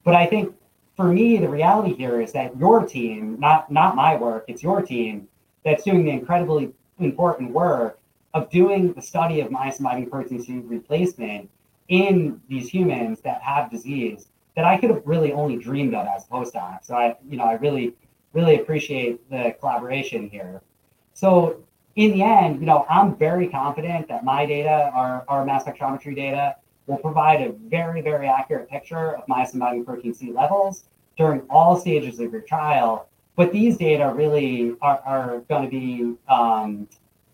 I think for me, the reality here is that your team, not my work, it's your team, that's doing the incredibly important work of doing the study of myosin-binding protein C replacement in these humans that have disease that I could have really only dreamed of as a postdoc. I really, really appreciate the collaboration here. In the end, I'm very confident that my data, our mass spectrometry data, will provide a very, very accurate picture of myosin-binding protein C levels during all stages of your trial. These data really are going to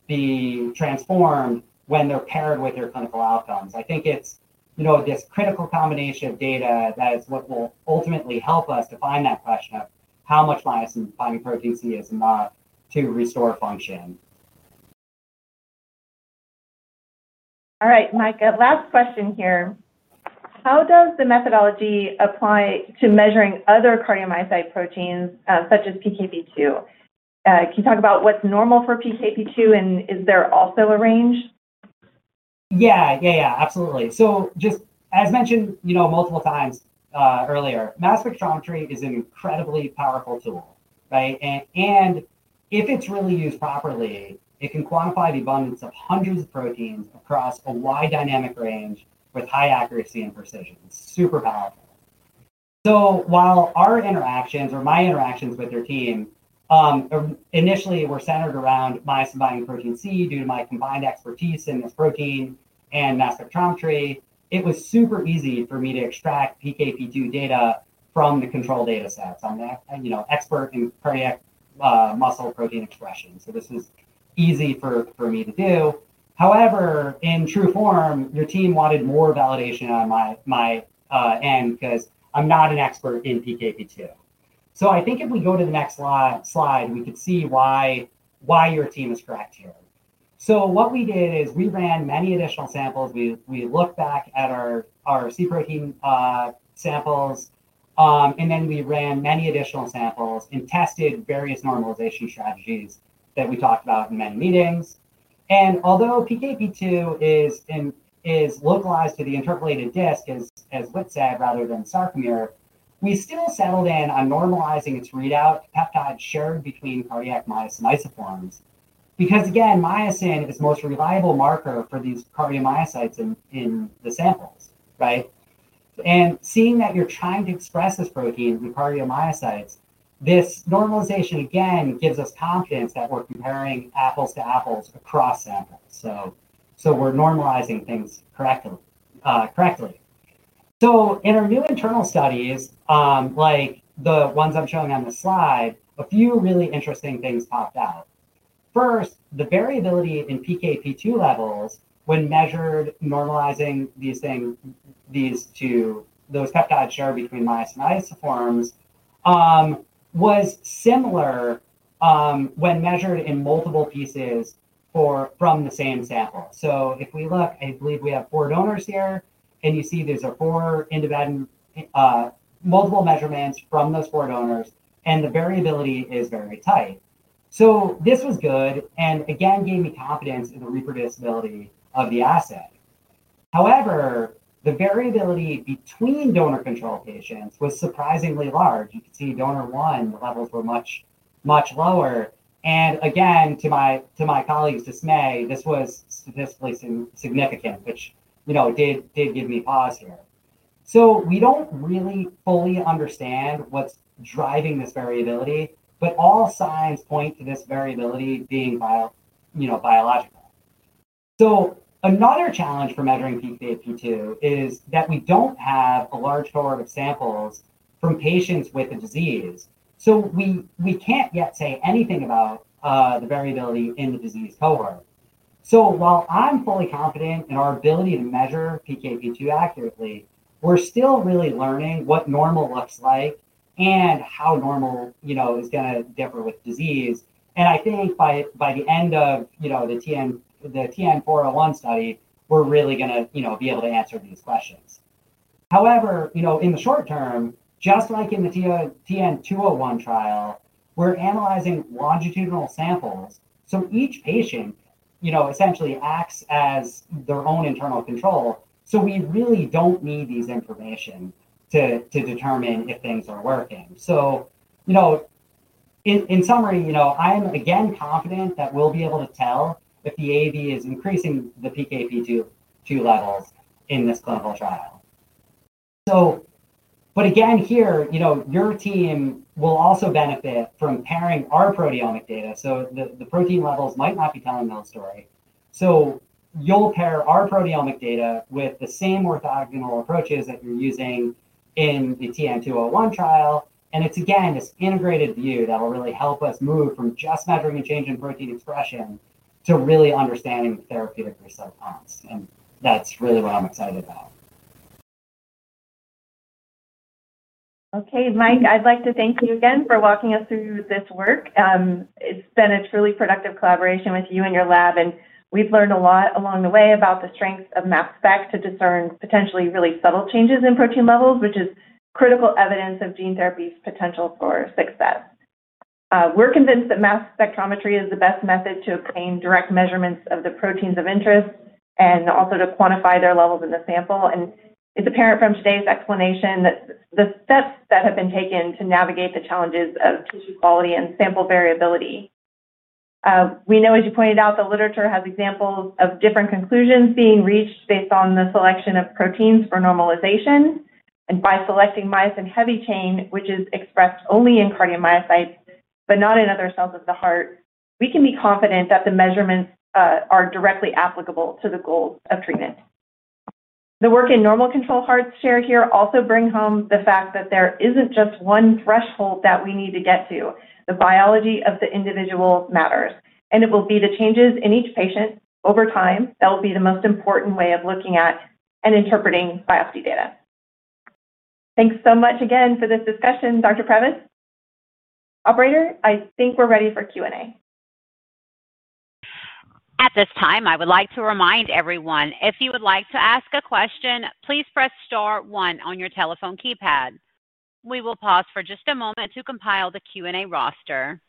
be transformed when they're paired with your clinical outcomes. I think it's this critical combination of data that is what will ultimately help us define that question of how much myosin-binding protein C is involved to restore function. All right, Mike, last question here. How does the methodology apply to measuring other cardiomyocyte proteins, such as PKP2? Can you talk about what's normal for PKP2, and is there also a range? Yeah, absolutely. Just as mentioned multiple times earlier, mass spectrometry is an incredibly powerful tool, right? If it's really used properly, it can quantify the abundance of hundreds of proteins across a wide dynamic range with high accuracy and precision. It's super powerful. While my interactions with your team initially were centered around myosin-binding protein C due to my combined expertise in this protein and mass spectrometry, it was super easy for me to extract PKP2 data from the control data set. I'm an expert in cardiac muscle protein expression, so this was easy for me to do. However, in true form, your team wanted more validation on my end because I'm not an expert in PKP2. I think if we go to the next slide, we could see why your team is correct here. What we did is we ran many additional samples. We looked back at our C protein samples, and then we ran many additional samples and tested various normalization strategies that we talked about in many meetings. Although PKP2 is localized to the intercalated disc, as Whit said, rather than the sarcomere, we still settled in on normalizing its readout peptide shared between cardiac myosin isoforms because, again, myosin is the most reliable marker for these cardiomyocytes in the samples, right? Seeing that you're trying to express this protein through cardiomyocytes, this normalization again gives us confidence that we're comparing apples to apples across samples. We're normalizing things correctly. In our new internal studies, like the ones I'm showing on the slide, a few really interesting things popped out. First, the variability in PKP2 levels when measured normalizing these things, those peptides shared between myosin isoforms, was similar when measured in multiple pieces from the same sample. If we look, I believe we have four donors here, and you see these are four independent multiple measurements from those four donors, and the variability is very tight. This was good and again gave me confidence in the reproducibility of the assay. However, the variability between donor control patients was surprisingly large. You could see donor one levels were much, much lower. To my colleague's dismay, this was statistically significant, which did give me pause here. We don't really fully understand what's driving this variability, but all signs point to this variability being biological. Another challenge for measuring PKP2 is that we don't have a large cohort of samples from patients with the disease. We can't yet say anything about the variability in the disease cohort. While I'm fully confident in our ability to measure PKP2 accurately, we're still really learning what normal looks like and how normal is going to differ with disease. I think by the end of the TN-401 study, we're really going to be able to answer these questions. In the short term, just like in the TN-201 trial, we're analyzing longitudinal samples. Each patient essentially acts as their own internal control. We really don't need this information to determine if things are working. In summary, I'm again confident that we'll be able to tell if the adeno-associated virus (AAV) is increasing the PKP2 levels in this clinical trial. Again here, your team will also benefit from pairing our proteomic data. The protein levels might not be telling that story. You'll pair our proteomic data with the same orthogonal approaches that you're using in the TN-201 trial. It's again this integrated view that will really help us move from just measuring the change in protein expression to really understanding the therapeutic results. That's really what I'm excited about. Okay, Mike, I'd like to thank you again for walking us through this work. It's been a truly productive collaboration with you and your lab, and we've learned a lot along the way about the strengths of mass spec to discern potentially really subtle changes in protein levels, which is critical evidence of gene therapy's potential for success. We're convinced that mass spectrometry is the best method to obtain direct measurements of the proteins of interest and also to quantify their levels in the sample. It's apparent from today's explanation that the steps that have been taken to navigate the challenges of tissue quality and sample variability. We know, as you pointed out, the literature has examples of different conclusions being reached based on the selection of proteins for normalization. By selecting myosin-heavy chain, which is expressed only in cardiomyocytes but not in other cells of the heart, we can be confident that the measurements are directly applicable to the goals of treatment. The work in normal control hearts shared here also brings home the fact that there isn't just one threshold that we need to get to. The biology of the individual matters. It will be the changes in each patient over time that will be the most important way of looking at and interpreting biopsy data. Thanks so much again for this discussion, Dr. Previs. Operator, I think we're ready for Q&A. At this time, I would like to remind everyone, if you would like to ask a question, please press star one on your telephone keypad. We will pause for just a moment to compile the Q&A roster.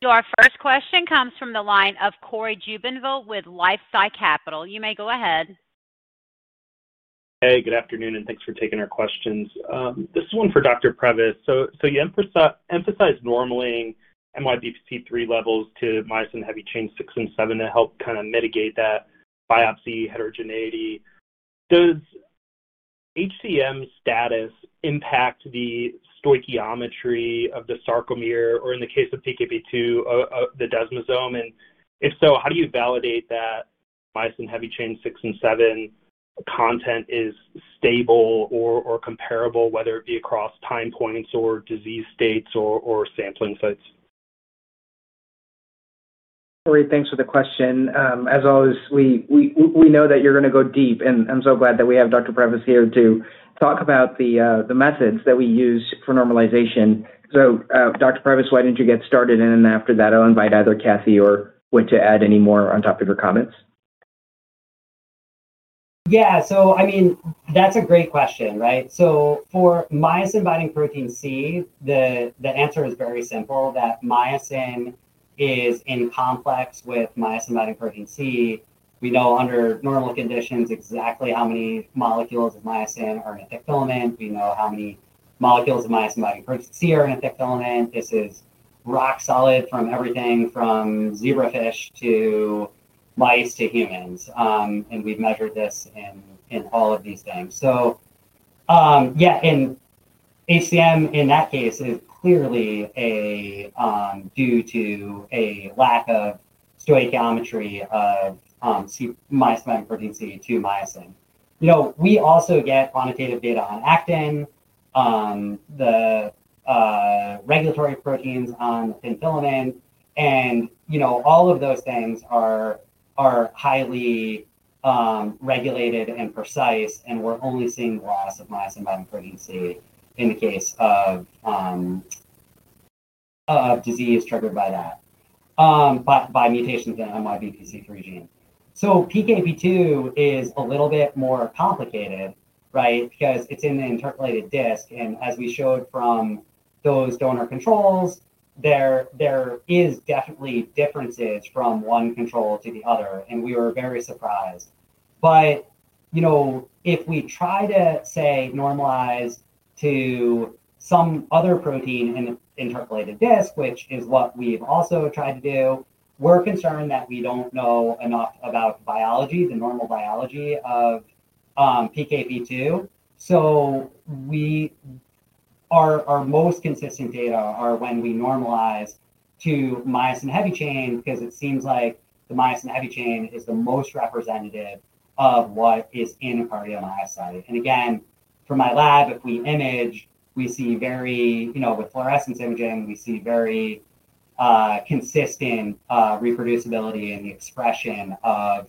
Your first question comes from the line of Cory Jubinville with LifeSci Capital. You may go ahead. Hey, good afternoon, and thanks for taking our questions. This is one for Dr. Previs. You emphasize normalizing MYBPC3 levels to myosin-heavy chain 6 and 7 to help kind of mitigate that biopsy heterogeneity. Does HCM status impact the stoichiometry of the sarcomere or, in the case of PKP2, the desmosome? If so, how do you validate that myosin-heavy chain 6 and 7 content is stable or comparable, whether it be across time points or disease states or sampling sites? Great, thanks for the question. As always, we know that you're going to go deep, and I'm so glad that we have Dr. Previs here to talk about the methods that we use for normalization. Dr. Previs, why don't you get started? After that, I'll invite either Kathy or Whit to add any more on top of your comments. Yeah, that's a great question, right? For myosin-binding protein C, the answer is very simple that myosin is in complex with myosin-binding protein C. We know under normal conditions exactly how many molecules of myosin are in a thick filament. We know how many molecules of myosin-binding protein C are in a thick filament. This is rock solid from everything from zebrafish to mice to humans. We've measured this in all of these things. HCM in that case is clearly due to a lack of stoichiometry of myosin-binding protein C to myosin. We also get quantitative data on actin, the regulatory proteins on thin filament. All of those things are highly regulated and precise, and we're only seeing loss of myosin-binding protein C in the case of disease triggered by that, by mutations in the MYBPC3 gene. PKP2 is a little bit more complicated, right, because it's in the intercalated disc. As we showed from those donor controls, there are definitely differences from one control to the other, and we were very surprised. If we try to, say, normalize to some other protein in the intercalated disc, which is what we've also tried to do, we're concerned that we don't know enough about biology, the normal biology of PKP2. Our most consistent data are when we normalize to myosin-heavy chain because it seems like the myosin-heavy chain is the most representative of what is in a cardiomyocyte. For my lab, if we image, we see very, you know, with fluorescence imaging, we see very consistent reproducibility in the expression of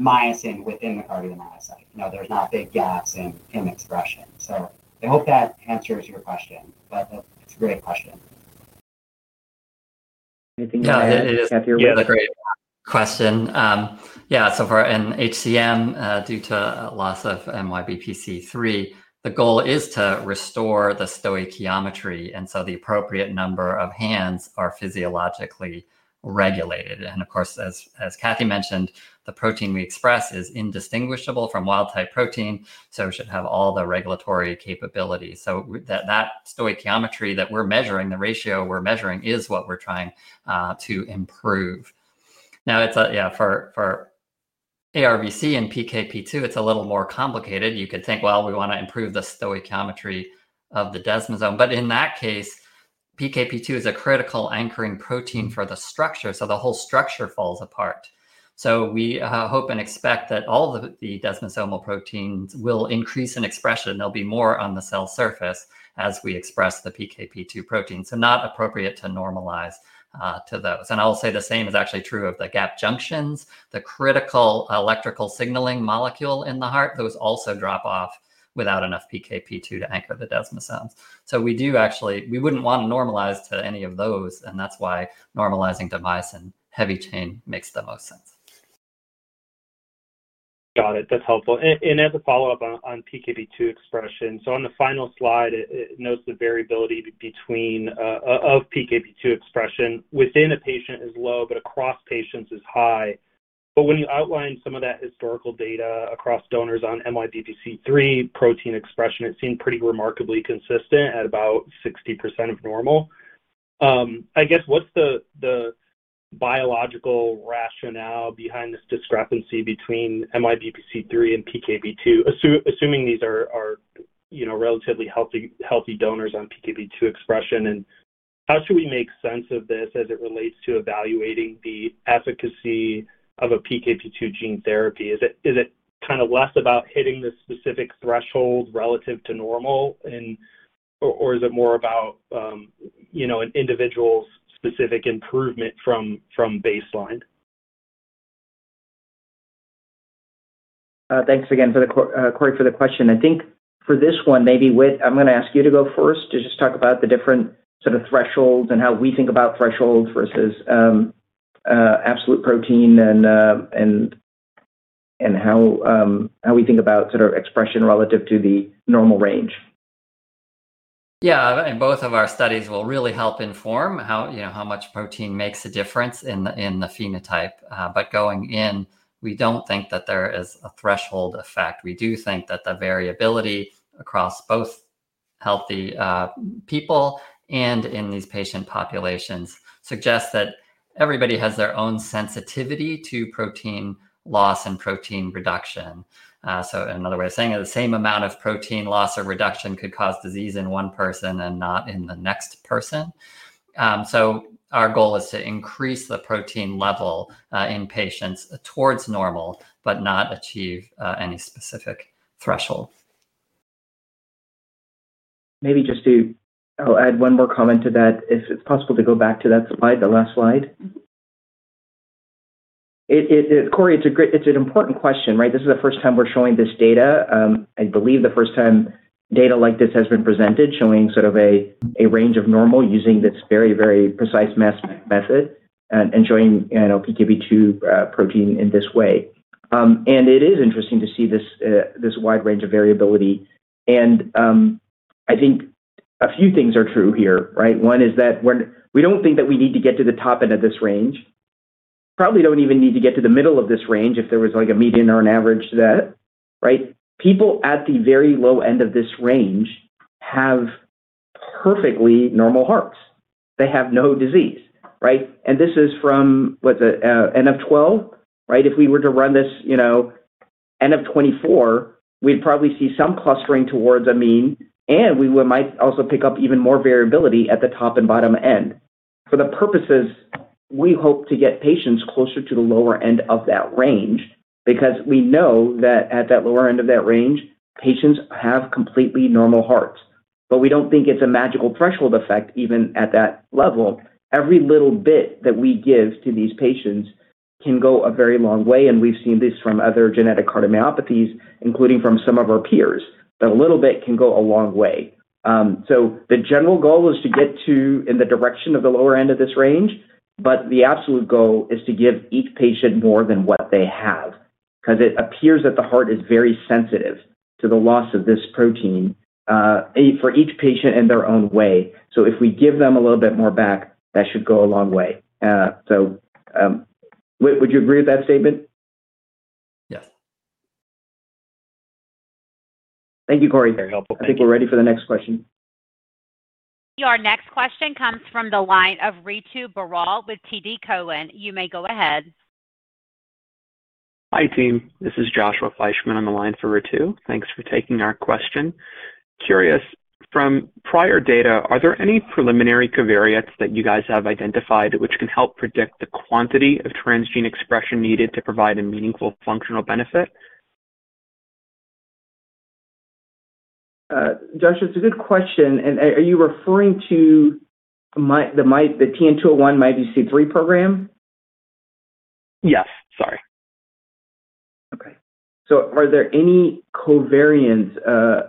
myosin within the cardiomyocyte. There's not big gaps in expression. I hope that answers your question, but it's a great question. Yeah, it is a great question. For in HCM, due to loss of MYBPC3, the goal is to restore the stoichiometry, and so the appropriate number of hands are physiologically regulated. Of course, as Kathy mentioned, the protein we express is indistinguishable from wild-type protein, so it should have all the regulatory capabilities. That stoichiometry that we're measuring, the ratio we're measuring, is what we're trying to improve. For ARVC and PKP2, it's a little more complicated. You could think, we want to improve the stoichiometry of the desmosome. In that case, PKP2 is a critical anchoring protein for the structure, so the whole structure falls apart. We hope and expect that all the desmosomal proteins will increase in expression. There'll be more on the cell surface as we express the PKP2 protein, so not appropriate to normalize to those. The same is actually true of the gap junctions, the critical electrical signaling molecule in the heart. Those also drop off without enough PKP2 to anchor the desmosomes. We do actually, we wouldn't want to normalize to any of those, and that's why normalizing to myosin-heavy chain makes the most sense. Got it. That's helpful. As a follow-up on PKP2 expression, on the final slide, it notes the variability of PKP2 expression within a patient is low, but across patients is high. When you outline some of that historical data across donors on MYBPC3 protein expression, it seemed pretty remarkably consistent at about 60% of normal. I guess, what's the biological rationale behind this discrepancy between MYBPC3 and PKP2, assuming these are, you know, relatively healthy donors on PKP2 expression? How should we make sense of this as it relates to evaluating the efficacy of a PKP2 gene therapy? Is it less about hitting the specific threshold relative to normal, or is it more about an individual's specific improvement from baseline? Thanks again, Cory, for the question. I think for this one, maybe Whit, I'm going to ask you to go first to just talk about the different thresholds and how we think about thresholds versus absolute protein and how we think about expression relative to the normal range. I think both of our studies will really help inform how much protein makes a difference in the phenotype. Going in, we don't think that there is a threshold effect. We do think that the variability across both healthy people and in these patient populations suggests that everybody has their own sensitivity to protein loss and protein reduction. Another way of saying it, the same amount of protein loss or reduction could cause disease in one person and not in the next person. Our goal is to increase the protein level in patients towards normal, but not achieve any specific threshold. Maybe just to add one more comment to that, if it's possible to go back to that slide, the last slide. Cory, it's an important question, right? This is the first time we're showing this data. I believe the first time data like this has been presented, showing sort of a range of normal using this very, very precise method and showing PKP2 protein in this way. It is interesting to see this wide range of variability. I think a few things are true here, right? One is that we don't think that we need to get to the top end of this range. Probably don't even need to get to the middle of this range if there was like a median or an average to that, right? People at the very low end of this range have perfectly normal hearts. They have no disease, right? This is from, what's it, NF12, right? If we were to run this, you know, NF24, we'd probably see some clustering towards a mean, and we might also pick up even more variability at the top and bottom end. For the purposes, we hope to get patients closer to the lower end of that range because we know that at that lower end of that range, patients have completely normal hearts. We don't think it's a magical threshold effect even at that level. Every little bit that we give to these patients can go a very long way, and we've seen this from other genetic cardiomyopathies, including from some of our peers, that a little bit can go a long way. The general goal is to get to in the direction of the lower end of this range, but the absolute goal is to give each patient more than what they have because it appears that the heart is very sensitive to the loss of this protein for each patient in their own way. If we give them a little bit more back, that should go a long way. Would you agree with that statement? Yeah. Thank you, Cory. I think we're ready for the next question. Our next question comes from the line of Ritu Baral with TD. You may go ahead. Hi, team. This is Joshua Fleishman on the line for Ritu. Thanks for taking our question. Curious, from prior data, are there any preliminary covariates that you guys have identified which can help predict the quantity of transgene expression needed to provide a meaningful functional benefit? Joshua, it's a good question. Are you referring to the TN-201 MYBPC3 program? Yes, sorry. Are there any covariants,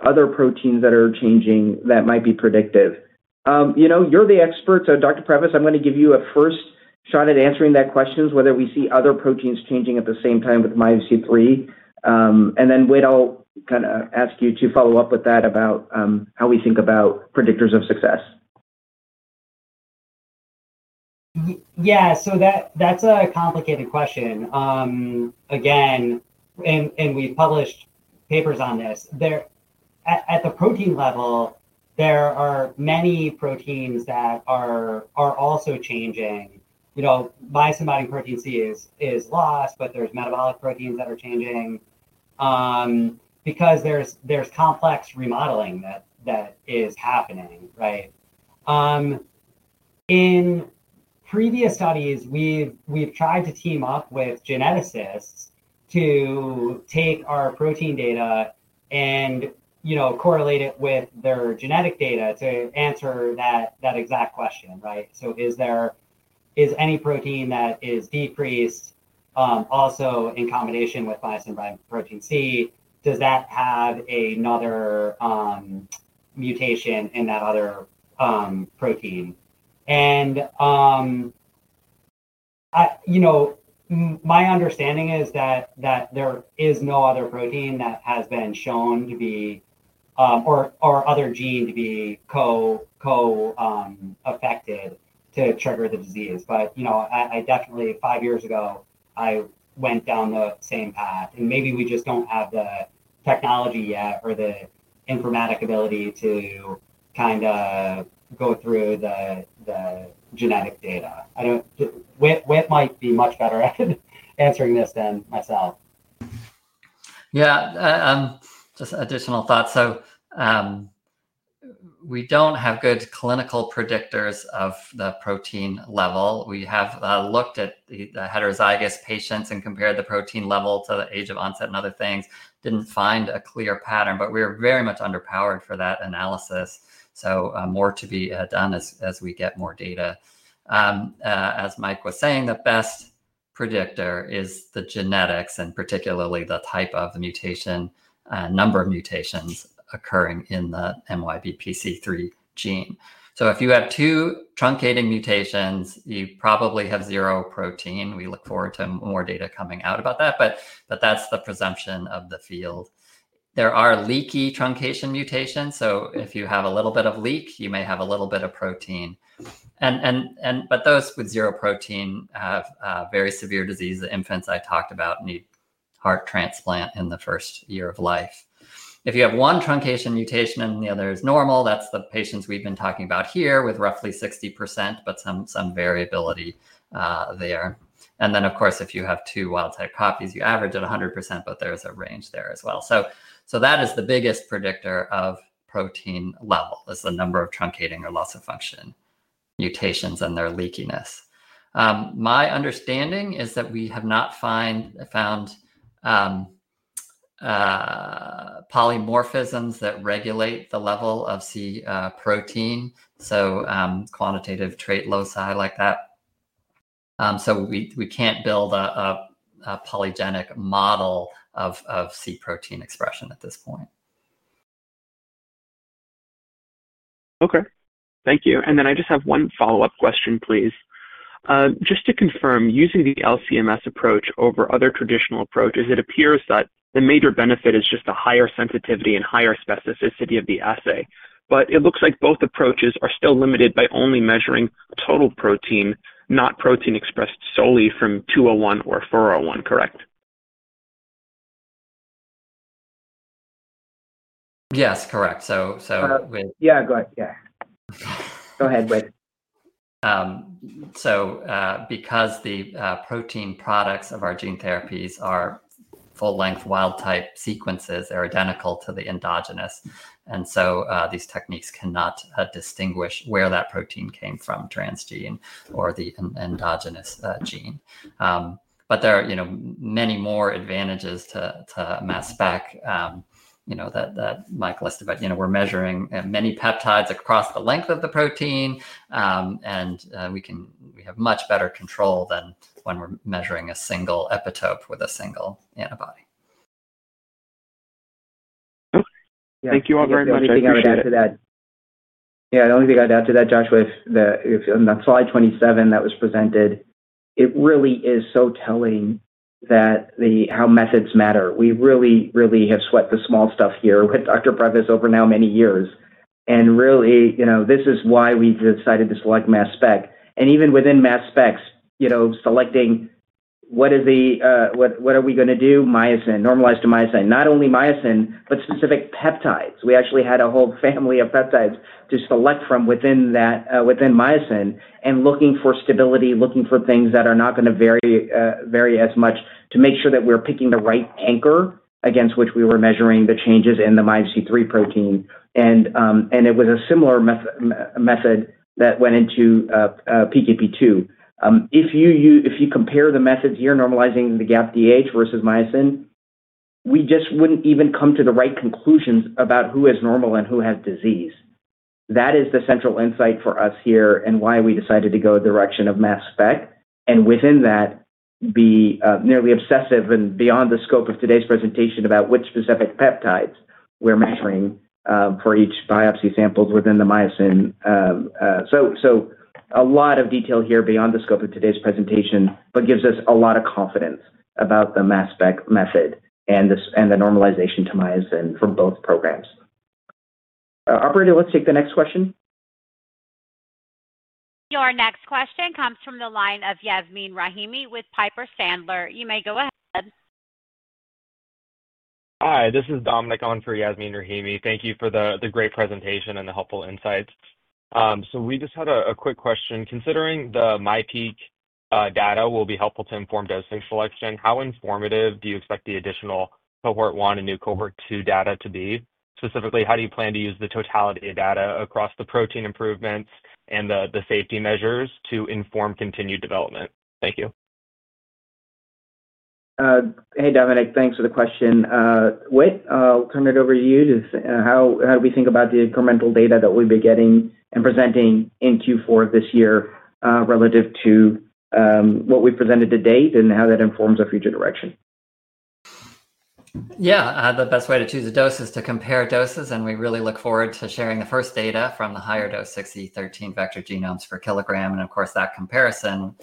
other proteins that are changing that might be predictive? You're the experts. Dr. Previs, I'm going to give you a first shot at answering that question, whether we see other proteins changing at the same time with MYBPC3. Then, Whit, I'll ask you to follow up with that about how we think about predictors of success. Yeah, that's a complicated question. Again, we've published papers on this. At the protein level, there are many proteins that are also changing. You know, myosin-binding protein C is lost, but there's metabolic proteins that are changing because there's complex remodeling that is happening, right? In previous studies, we've tried to team up with geneticists. Take our protein data and, you know, correlate it with their genetic data to answer that exact question, right? Is any protein that is decreased, also in combination with myosin-binding protein C, does that have another mutation in that other protein? My understanding is that there is no other protein that has been shown to be, or other gene to be, co-affected to trigger the disease. I definitely, five years ago, went down the same path. Maybe we just don't have the technology yet or the informatic ability to kind of go through the genetic data. Whit might be much better at answering this than myself. Yeah, just additional thoughts. We don't have good clinical predictors of the protein level. We have looked at the heterozygous patients and compared the protein level to the age of onset and other things. Didn't find a clear pattern, but we're very much underpowered for that analysis. More to be done as we get more data. As Mike was saying, the best predictor is the genetics and particularly the type of the mutation, number of mutations occurring in the MYBPC3 gene. If you have two truncating mutations, you probably have zero protein. We look forward to more data coming out about that. That's the presumption of the field. There are leaky truncation mutations. If you have a little bit of leak, you may have a little bit of protein. Those with zero protein have very severe disease. The infants I talked about need heart transplant in the first year of life. If you have one truncation mutation and the other is normal, that's the patients we've been talking about here with roughly 60%, but some variability there. If you have two wild type copies, you average at 100%, but there's a range there as well. That is the biggest predictor of protein level, the number of truncating or loss of function mutations and their leakiness. My understanding is that we have not found polymorphisms that regulate the level of C protein. Quantitative trait loci like that. We can't build a polygenic model of C protein expression at this point. Okay, thank you. I just have one follow-up question, please. Just to confirm, using the LCMS approach over other traditional approaches, it appears that the major benefit is just a higher sensitivity and higher specificity of the assay. It looks like both approaches are still limited by only measuring total protein, not protein expressed solely from TN-201 or TN-401, correct? Yes, correct. Yeah, go ahead. Yeah. Go ahead, Whit. Because the protein products of our gene therapies are full-length wild type sequences, they're identical to the endogenous. These techniques cannot distinguish where that protein came from, transgene or the endogenous gene. There are many more advantages to mass spec that Mike listed. We're measuring many peptides across the length of the protein, and we have much better control than when we're measuring a single epitope with a single antibody. Okay, yeah, thank you all very much. The only thing I'd add to that, Joshua, is that on slide 27 that was presented, it really is so telling how methods matter. We really, really have sweat the small stuff here with Dr. Previs over now many years. This is why we've decided to select mass spec. Even within mass spec, selecting what are we going to do? Myosin, normalized to myosin, not only myosin, but specific peptides. We actually had a whole family of peptides to select from within myosin, and looking for stability, looking for things that are not going to vary as much to make sure that we're picking the right anchor against which we were measuring the changes in the myosin-binding protein C. It was a similar method that went into plakophilin-2. If you compare the methods here, normalizing to GAPDH versus myosin, we just wouldn't even come to the right conclusions about who is normal and who has disease. That is the central insight for us here and why we decided to go the direction of mass spec. Within that, be nearly obsessive and beyond the scope of today's presentation about which specific peptides we're measuring for each cardiac biopsy sample within the myosin. A lot of detail here is beyond the scope of today's presentation, but it gives us a lot of confidence about the mass spec method and the normalization to myosin from both programs. Operator, let's take the next question. Your next question comes from the line of Yasmin Rahimi with Piper Sandler. You may go ahead. Hi, this is Dominic calling for Yasmin Rahimi. Thank you for the great presentation and the helpful insights. We just had a quick question. Considering the MyPEAK data will be helpful to inform dosing selection, how informative do you expect the additional cohort one and new cohort two data to be? Specifically, how do you plan to use the totality of data across the protein improvements and the safety measures to inform continued development? Thank you. Hey, Dominic, thanks for the question. Whit, I'll turn it over to you. How do we think about the incremental data that we'll be getting and presenting in Q4 this year relative to what we've presented to date, and how that informs our future direction? Yeah, the best way to choose a dose is to compare doses, and we really look forward to sharing the first data from the higher dose, 6.013 billion vector genomes per kg. That comparison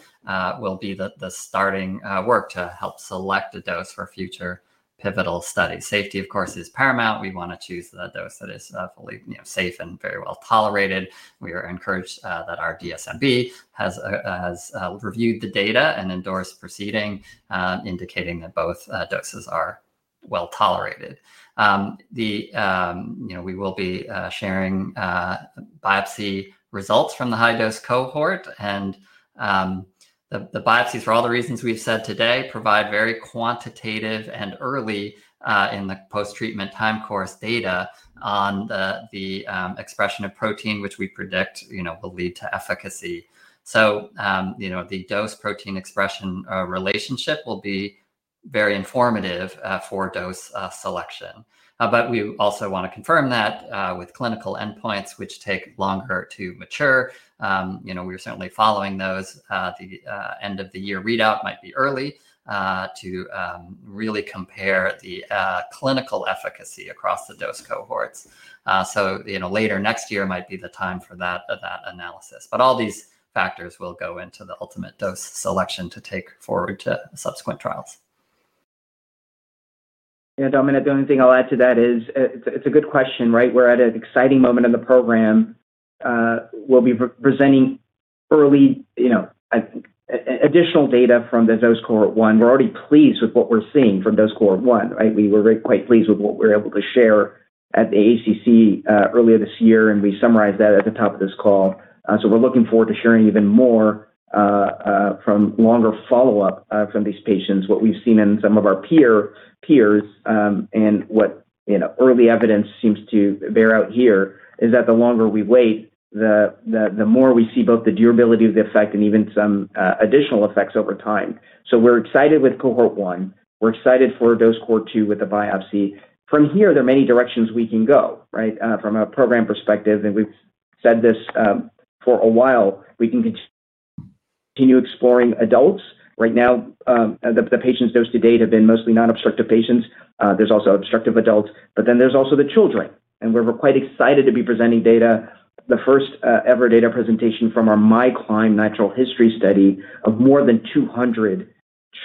will be the starting work to help select the dose for future pivotal studies. Safety, of course, is paramount. We want to choose the dose that is fully safe and very well tolerated. We are encouraged that our DSMB has reviewed the data and endorsed proceeding, indicating that both doses are well tolerated. We will be sharing biopsy results from the high dose cohort. The biopsies, for all the reasons we've said today, provide very quantitative and early in the post-treatment time course data on the expression of protein, which we predict will lead to efficacy. The dose-protein expression relationship will be very informative for dose selection. We also want to confirm that with clinical endpoints, which take longer to mature. We're certainly following those. The end-of-the-year readout might be early to really compare the clinical efficacy across the dose cohorts. Later next year might be the time for that analysis. All these factors will go into the ultimate dose selection to take forward to subsequent trials. Dominic, the only thing I'll add to that is it's a good question, right? We're at an exciting moment in the program. We'll be presenting early, you know, additional data from the dose cohort one. We're already pleased with what we're seeing from dose cohort one, right? We were quite pleased with what we were able to share at the ACC earlier this year, and we summarized that at the top of this call. We're looking forward to sharing even more from longer follow-up from these patients. What we've seen in some of our peers and what early evidence seems to bear out here is that the longer we wait, the more we see both the durability of the effect and even some additional effects over time. We're excited with cohort one. We're excited for dose cohort two with a biopsy. From here, there are many directions we can go, right? From a program perspective, and we've said this for a while, we can continue exploring adults. Right now, the patients dosed to date have been mostly non-obstructive patients. There's also obstructive adults, but then there's also the children. We're quite excited to be presenting data, the first ever data presentation from our MyCLIMB Natural History Study of more than 200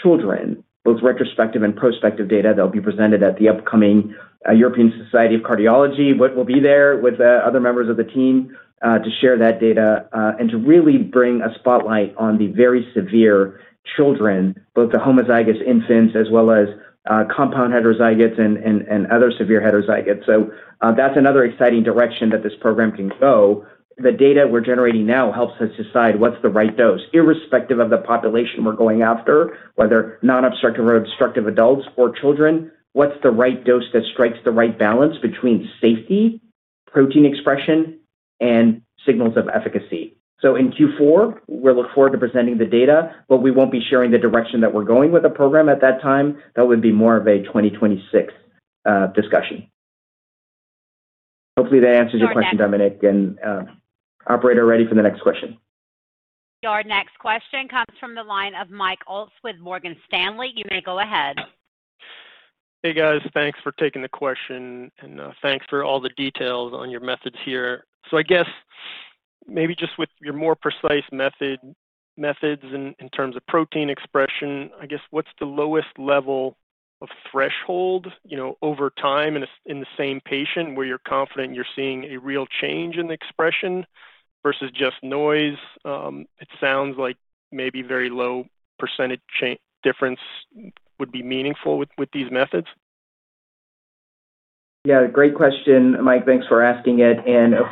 children, both retrospective and prospective data that will be presented at the upcoming European Society of Cardiology. Whit will be there with other members of the team to share that data and to really bring a spotlight on the very severe children, both the homozygous infants as well as compound heterozygotes and other severe heterozygotes. That's another exciting direction that this program can go. The data we're generating now helps us decide what's the right dose, irrespective of the population we're going after, whether non-obstructive or obstructive adults or children, what's the right dose that strikes the right balance between safety, protein expression, and signals of efficacy. In Q4, we'll look forward to presenting the data, but we won't be sharing the direction that we're going with the program at that time. That would be more of a 2026 discussion. Hopefully, that answers your question, Dominic. Operator, ready for the next question. Your next question comes from the line of Mike Wilson with Morgan Stanley. You may go ahead. Hey guys, thanks for taking the question and thanks for all the details on your methods here. I guess maybe just with your more precise methods in terms of protein expression, what's the lowest level of threshold, you know, over time in the same patient where you're confident you're seeing a real change in the expression versus just noise? It sounds like maybe very low percentage difference would be meaningful with these methods. Yeah, great question, Mike. Thanks for asking it.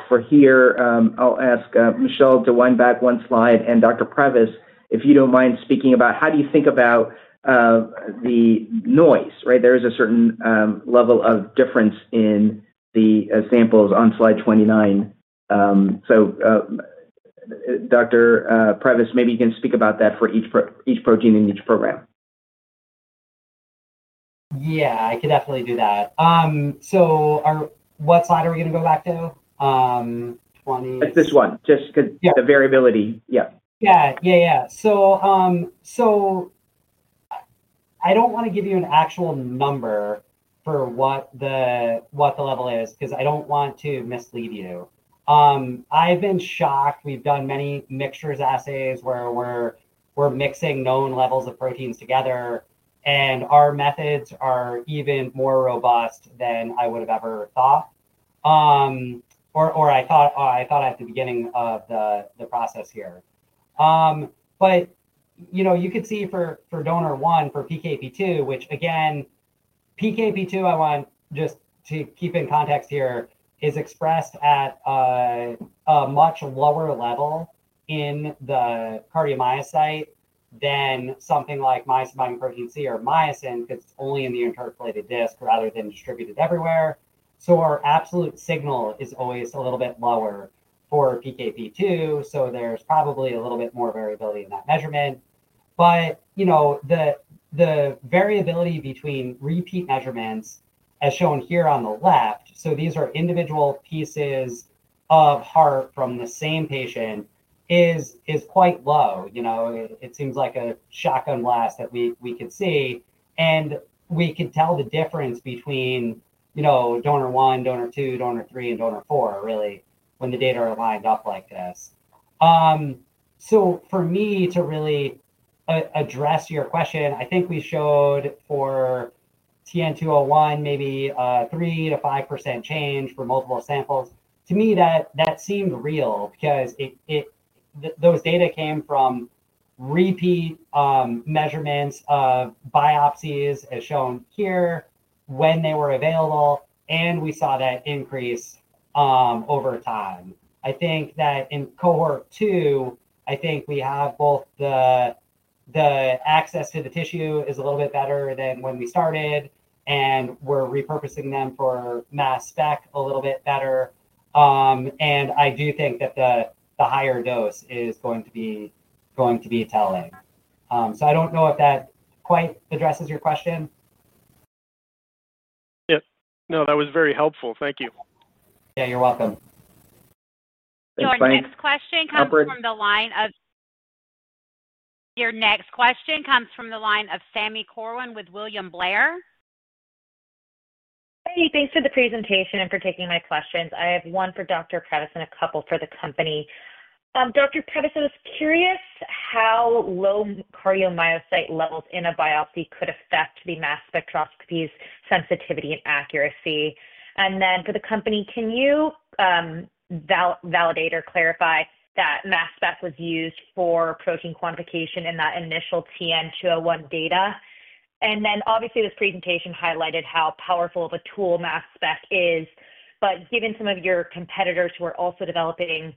For here, I'll ask Michelle to wind back one slide, and Dr. Previs, if you don't mind speaking about how do you think about the noise, right? There is a certain level of difference in the samples on slide 29. Dr. Previs, maybe you can speak about that for each protein in each program. Yeah, I could definitely do that. What slide are we going to go back to? It's this one just because the variability. Yeah. Yeah, yeah, yeah. I don't want to give you an actual number for what the level is because I don't want to mislead you. I've been shocked. We've done many mixtures assays where we're mixing known levels of proteins together, and our methods are even more robust than I would have ever thought at the beginning of the process here. You could see for donor one, for PKP2, which again, PKP2, I want just to keep in context here, is expressed at a much lower level in the cardiomyocyte than something like myosin-binding protein C or myosin, because it's only in the intercalated disc rather than distributed everywhere. Our absolute signal is always a little bit lower for PKP2, so there's probably a little bit more variability in that measurement. The variability between repeat measurements, as shown here on the left these are individual pieces of heart from the same patient is quite low. It seems like a shotgun blast that we could see, and we could tell the difference between donor one, donor two, donor three, and donor four, really, when the data are lined up like this. To really address your question, I think we showed for TN-201 maybe a 3%-5% change for multiple samples. To me, that seemed real because those data came from repeat measurements of biopsies, as shown here, when they were available, and we saw that increase over time. I think that in cohort two, we have both the access to the tissue a little bit better than when we started, and we're repurposing them for mass spec a little bit better. I do think that the higher dose is going to be telling. I don't know if that quite addresses your question. Yeah, no, that was very helpful. Thank you. Yeah, you're welcome. Your next question comes from the line of Sami Corwin with William Blair. Hey, thanks for the presentation and for taking my questions. I have one for Dr. Previs, and a couple for the company. Dr. Previs, is curious how low cardiomyocyte levels in a biopsy could affect the mass spectrometry's sensitivity and accuracy. For the company, can you validate or clarify that mass spec was used for protein quantification in that initial TN-201 data? This presentation highlighted how powerful of a tool mass spec is. Given some of your competitors who are also developing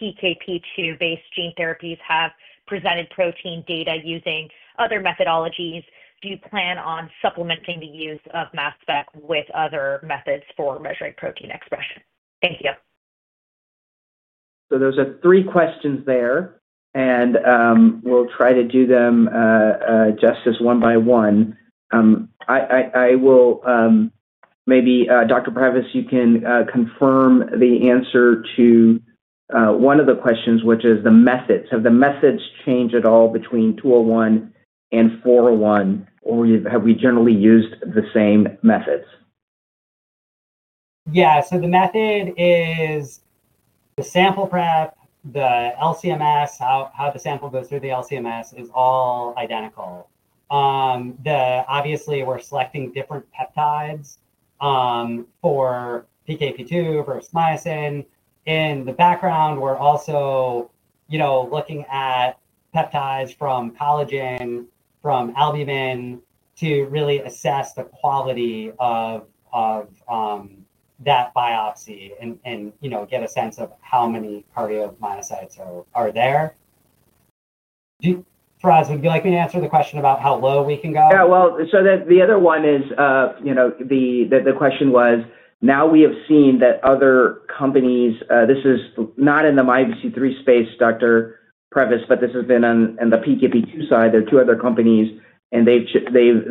PKP2-based gene therapies have presented protein data using other methodologies, do you plan on supplementing the use of mass spec with other methods for measuring protein expression? Thank you. Those are three questions there. We'll try to do them just as one by one. I will maybe, Dr. Previs, you can confirm the answer to one of the questions, which is the methods. Have the methods changed at all between TN-201 and TN-401, or have we generally used the same methods? Yeah, the method is the sample prep, the LCMS, how the sample goes through the LCMS is all identical. Obviously, we're selecting different peptides for PKP2 versus myosin. In the background, we're also looking at peptides from collagen, from albumin to really assess the quality of that biopsy and get a sense of how many cardiomyocytes are there. Faraz, would you like me to answer the question about how low we can go? Yeah, so the other one is, you know, the question was, now we have seen that other companies, this is not in the MYBPC3 space, Dr. Previs, but this has been on the PKP2 side. There are two other companies, and they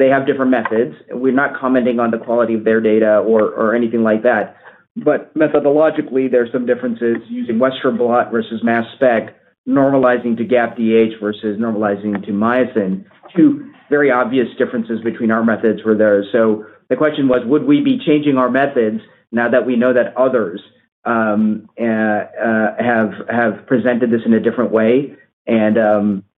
have different methods. We're not commenting on the quality of their data or anything like that. Methodologically, there's some differences using Western blot versus mass spec, normalizing to GAPDH versus normalizing to myosin. Two very obvious differences between our methods were there. The question was, would we be changing our methods now that we know that others have presented this in a different way?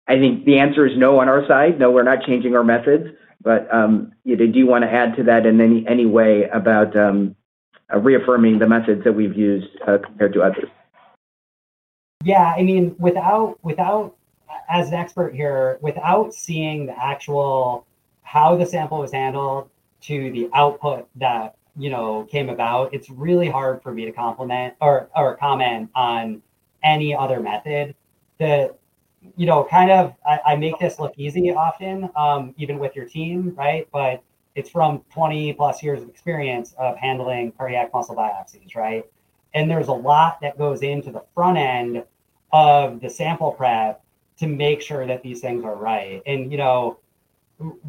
I think the answer is no on our side. No, we're not changing our methods. Do you want to add to that in any way about reaffirming the methods that we've used compared to others? Yeah, I mean, as an expert here, without seeing the actual how the sample was handled to the output that, you know, came about, it's really hard for me to comment on any other method. I make this look easy often, even with your team, right? It's from 20+ years of experience of handling cardiac muscle biopsies, right? There's a lot that goes into the front end of the sample prep to make sure that these things are right.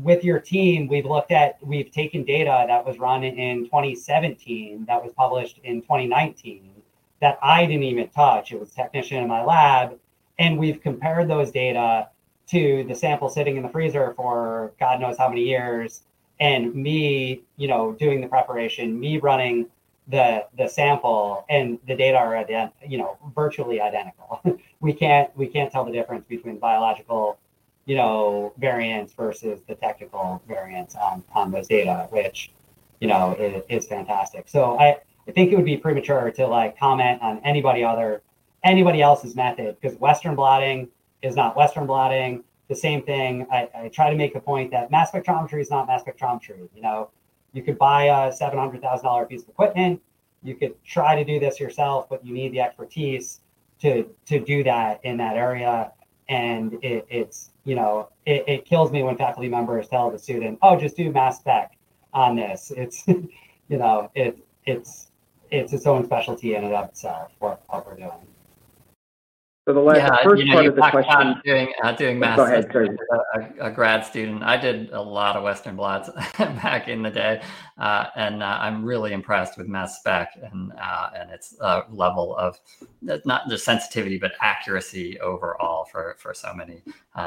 With your team, we've looked at, we've taken data that was run in 2017 that was published in 2019 that I didn't even touch. It was a technician in my lab. We've compared those data to the sample sitting in the freezer for God knows how many years, and me doing the preparation, me running the sample, and the data are at the end, you know, virtually identical. We can't tell the difference between the biological variants versus the technical variants on those data, which is fantastic. I think it would be premature to comment on anybody else's method because Western blotting is not Western blotting. The same thing, I try to make the point that mass spectrometry is not mass spectrometry. You could buy a $700,000 piece of equipment. You could try to do this yourself, but you need the expertise to do that in that area. It kills me when faculty members tell the student, "Oh, just do mass spec on this." It's its own specialty in and of itself, what we're doing. The way I first started the question on doing mass spec, I'm a grad student. I did a lot of Western blots back in the day. I'm really impressed with mass spec and its level of, not the sensitivity, but accuracy overall for so many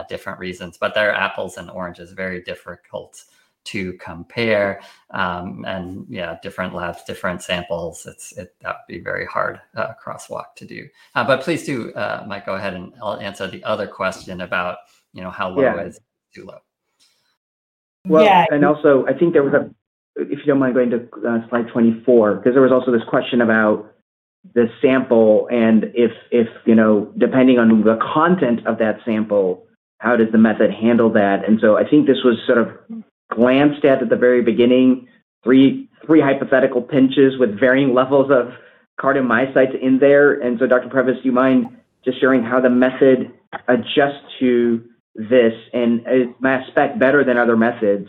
different reasons. They are apples and oranges, very difficult to compare. Different labs, different samples, that would be a very hard crosswalk to do. Please do, Mike, go ahead and answer the other question about, you know, how low is too low. I think there was a, if you don't mind going to slide 24, because there was also this question about the sample and if, you know, depending on the content of that sample, how does the method handle that? I think this was sort of glanced at at the very beginning, three hypothetical pinches with varying levels of cardiomyocytes in there. Dr. Previs, do you mind just sharing how the method adjusts to this and mass spec better than other methods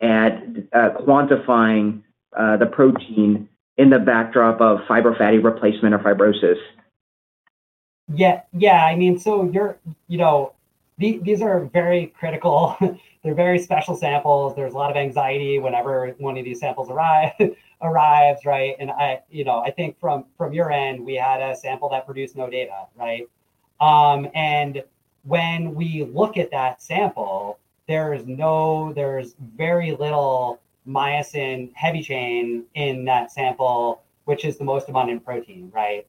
at quantifying the protein in the backdrop of fibrofatty replacement or fibrosis? Yeah, I mean, these are very critical. They're very special samples. There's a lot of anxiety whenever one of these samples arrives, right? I think from your end, we had a sample that produced no data, right? When we look at that sample, there is very little myosin heavy chain in that sample, which is the most abundant protein, right?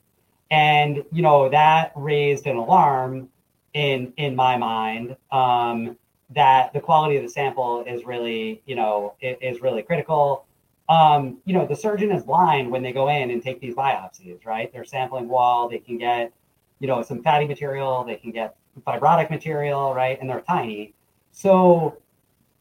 That raised an alarm in my mind that the quality of the sample is really critical. The surgeon is blind when they go in and take these biopsies, right? They're sampling wall. They can get some fatty material. They can get fibrotic material, right? They're tiny.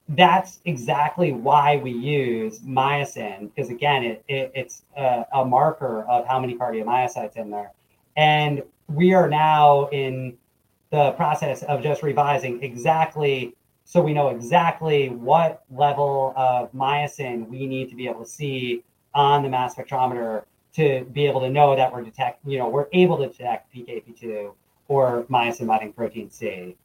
That's exactly why we use myosin, because again, it's a marker of how many cardiomyocytes are in there. We are now in the process of just revising exactly so we know exactly what level of myosin we need to be able to see on the mass spectrometer to be able to know that we're detecting, you know, we're able to detect PKP2 or myosin-binding protein C.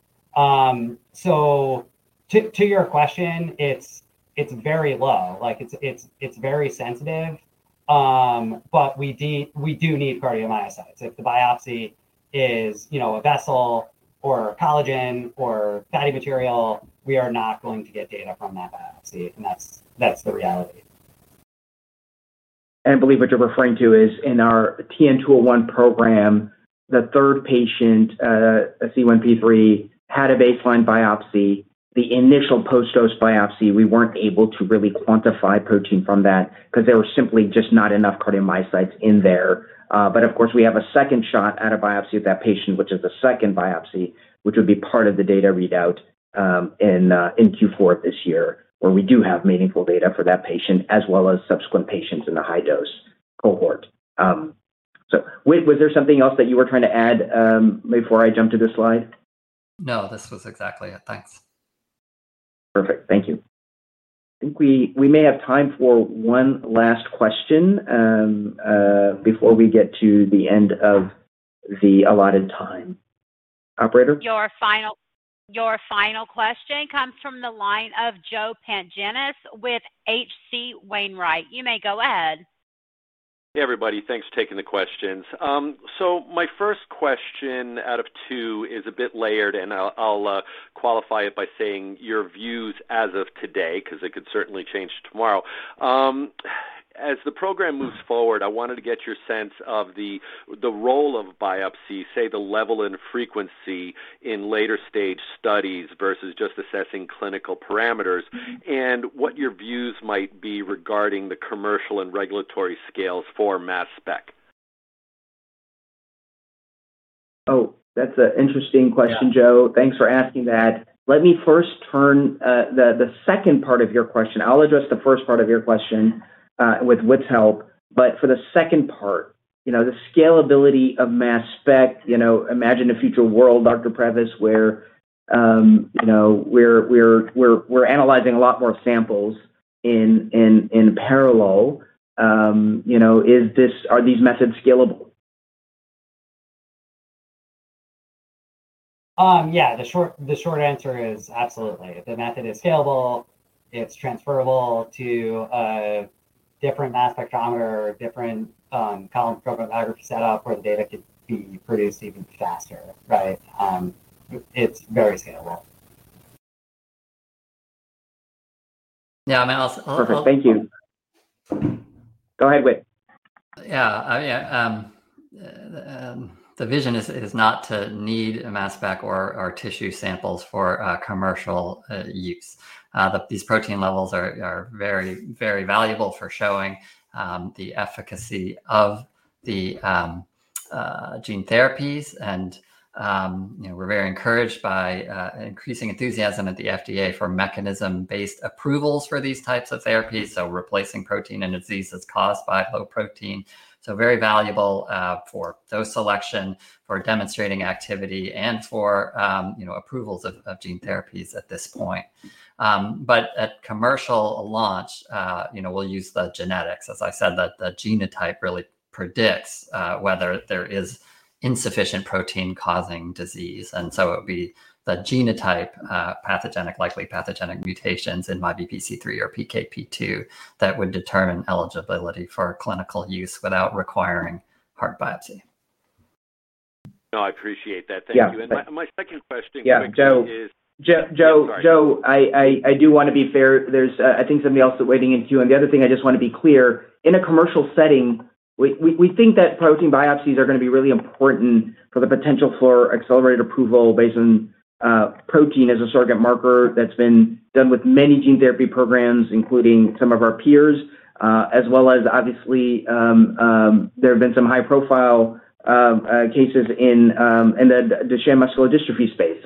To your question, it's very low. It's very sensitive. We do need cardiomyocytes. If the biopsy is a vessel or collagen or fatty material, we are not going to get data from that biopsy. That's the reality. I believe what you're referring to is in our TN-201 program, the third patient, a C1P3, had a baseline biopsy. The initial post-dose biopsy, we weren't able to really quantify protein from that because there were simply just not enough cardiomyocytes in there. Of course, we have a second shot at a biopsy of that patient, which is a second biopsy, which would be part of the data readout in Q4 of this year, where we do have meaningful data for that patient, as well as subsequent patients in the high dose cohort. Was there something else that you were trying to add before I jump to this slide? No, this was exactly it. Thanks. Perfect. Thank you. I think we may have time for one last question before we get to the end of the allotted time. Operator? Your final question comes from the line of Joe Pantginis with HC Wainwright. You may go ahead. Yeah, everybody, thanks for taking the questions. My first question out of two is a bit layered, and I'll qualify it by saying your views as of today, because it could certainly change tomorrow. As the program moves forward, I wanted to get your sense of the role of biopsy, say the level and frequency in later stage studies versus just assessing clinical parameters, and what your views might be regarding the commercial and regulatory scales for mass spec. Oh, that's an interesting question, Joe. Thanks for asking that. Let me first turn to the second part of your question. I'll address the first part of your question with Whit's help. For the second part, you know, the scalability of mass spec, you know, imagine a future world, Dr. Previs, where we're analyzing a lot more samples in parallel. Are these methods scalable? Yeah, the short answer is absolutely. If the method is scalable, it's transferable to a different mass spectrometer or a different column chromatography setup where the data could be produced even faster, right? It's very scalable. Thank you. Go ahead, Whit. Yeah, the vision is not to need a mass spec or tissue samples for commercial use. These protein levels are very, very valuable for showing the efficacy of the gene therapies. We're very encouraged by increasing enthusiasm at the FDA for mechanism-based approvals for these types of therapies, replacing protein in a disease that's caused by whole protein. Very valuable for dose selection, for demonstrating activity, and for approvals of gene therapies at this point. At commercial launch, we'll use the genetics. As I said, the genotype really predicts whether there is insufficient protein causing disease. It would be the genotype, pathogenic, likely pathogenic mutations in MYBPC3 or PKP2, that would determine eligibility for clinical use without requiring heart biopsy. No, I appreciate that. Thank you. My second question is... Yeah, Joe. I do want to be fair. There's, I think, somebody else waiting in queue. The other thing I just want to be clear, in a commercial setting, we think that protein biopsies are going to be really important for the potential for accelerated approval based on protein as a surrogate marker. That's been done with many gene therapy programs, including some of our peers, as well as, obviously, there have been some high-profile cases in the Duchenne muscular dystrophy space.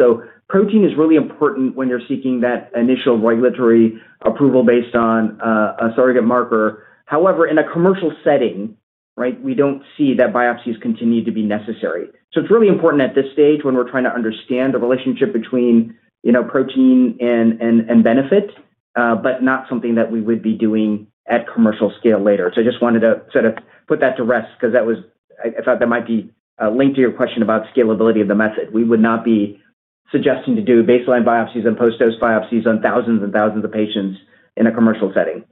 Protein is really important when you're seeking that initial regulatory approval based on a surrogate marker. However, in a commercial setting, we don't see that biopsies continue to be necessary. It's really important at this stage when we're trying to understand the relationship between, you know, protein and benefit, but not something that we would be doing at commercial scale later. I just wanted to sort of put that to rest because I thought that might be linked to your question about scalability of the method. We would not be suggesting to do baseline biopsies and post-dose biopsies on thousands and thousands of patients in a commercial setting.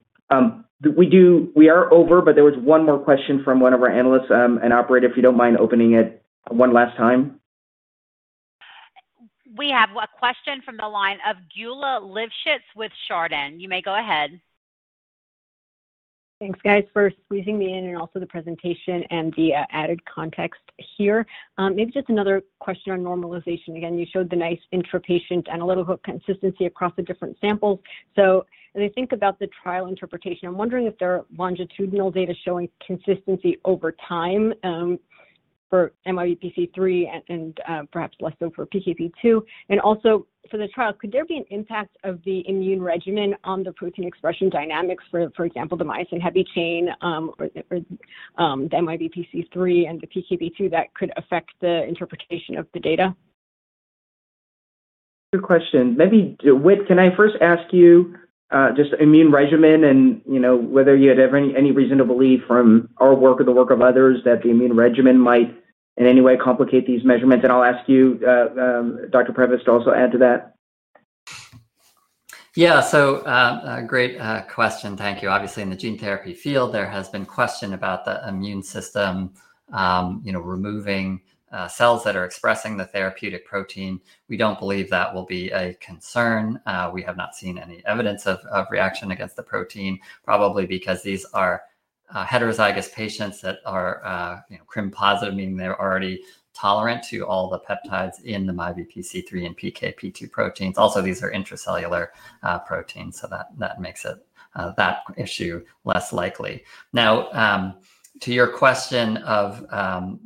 We are over, but there was one more question from one of our analysts. Operator, if you don't mind opening it one last time. We have a question from the line of Geulah Livshits with Chardan. You may go ahead. Thanks, guys, for squeezing me in and also the presentation and the added context here. Maybe just another question on normalization. You showed the nice intrapatient analytical consistency across the different samples. As I think about the trial interpretation, I'm wondering if there are longitudinal data showing consistency over time for MYBPC3 and perhaps less so for PKP2. Also, for the trial, could there be an impact of the immune regimen on the protein expression dynamics for, for example, the myosin heavy chain or the MYBPC3 and the PKP2 that could affect the interpretation of the data? Good question. Maybe, Whit, can I first ask you just immune regimen and whether you had any reason to believe from our work or the work of others that the immune regimen might in any way complicate these measurements? I'll ask you, Dr. Previs, to also add to that. Yeah, so great question. Thank you. Obviously, in the gene therapy field, there has been question about the immune system, you know, removing cells that are expressing the therapeutic protein. We don't believe that will be a concern. We have not seen any evidence of reaction against the protein, probably because these are heterozygous patients that are, you know, CRIM positive, meaning they're already tolerant to all the peptides in the MYBPC3 and PKP2 proteins. Also, these are intracellular proteins, so that makes that issue less likely. Now, to your question of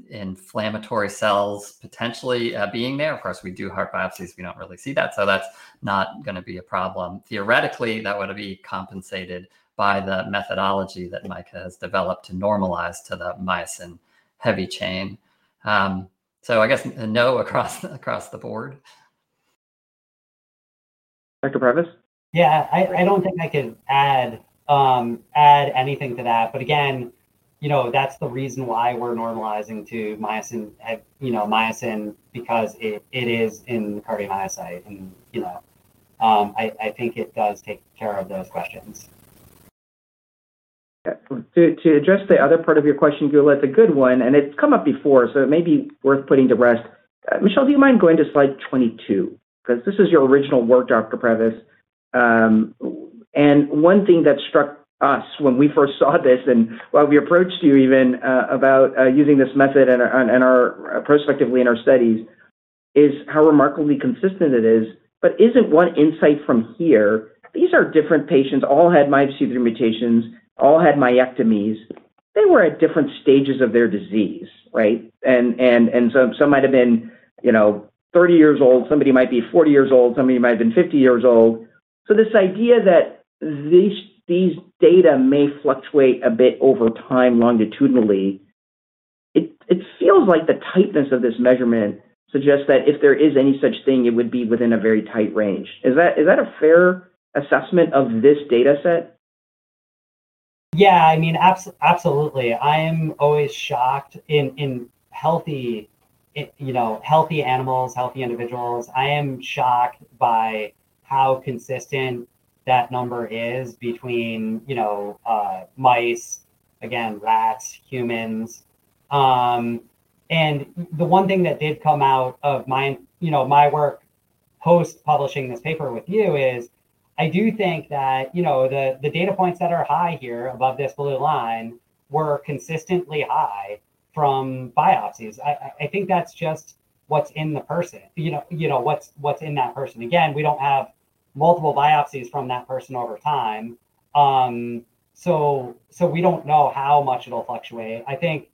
inflammatory cells potentially being there, of course, we do heart biopsies. We don't really see that. That's not going to be a problem. Theoretically, that would be compensated by the methodology that Mike has developed to normalize to the myosin-heavy chain. I guess a no across the board. Dr. Previs? I don't think I could add anything to that. Again, that's the reason why we're normalizing to myosin, because it is in the cardiomyocyte. I think it does take care of those questions. To address the other part of your question, Gula, the good one, and it's come up before, it may be worth putting to rest. Michelle, do you mind going to slide 22? This is your original work, Dr. Previs. One thing that struck us when we first saw this and why we approached you about using this method prospectively in our studies is how remarkably consistent it is. Isn't one insight from here that these are different patients, all had MYBPC3 mutations, all had myectomies? They were at different stages of their disease, right? Some might have been 30-years-old, somebody might be 40-years-old, somebody might have been 50-years-old. This idea that these data may fluctuate a bit over time longitudinally, it feels like the tightness of this measurement suggests that if there is any such thing, it would be within a very tight range. Is that a fair assessment of this data set? Absolutely. I am always shocked in healthy, you know, healthy animals, healthy individuals. I am shocked by how consistent that number is between, you know, mice, again, rats, humans, and the one thing that did come out of my, you know, my work post-publishing this paper with you is I do think that, you know, the data points that are high here above this blue line were consistently high from biopsies. I think that's just what's in the person, you know, what's in that person. We don't have multiple biopsies from that person over time, so we don't know how much it'll fluctuate. I think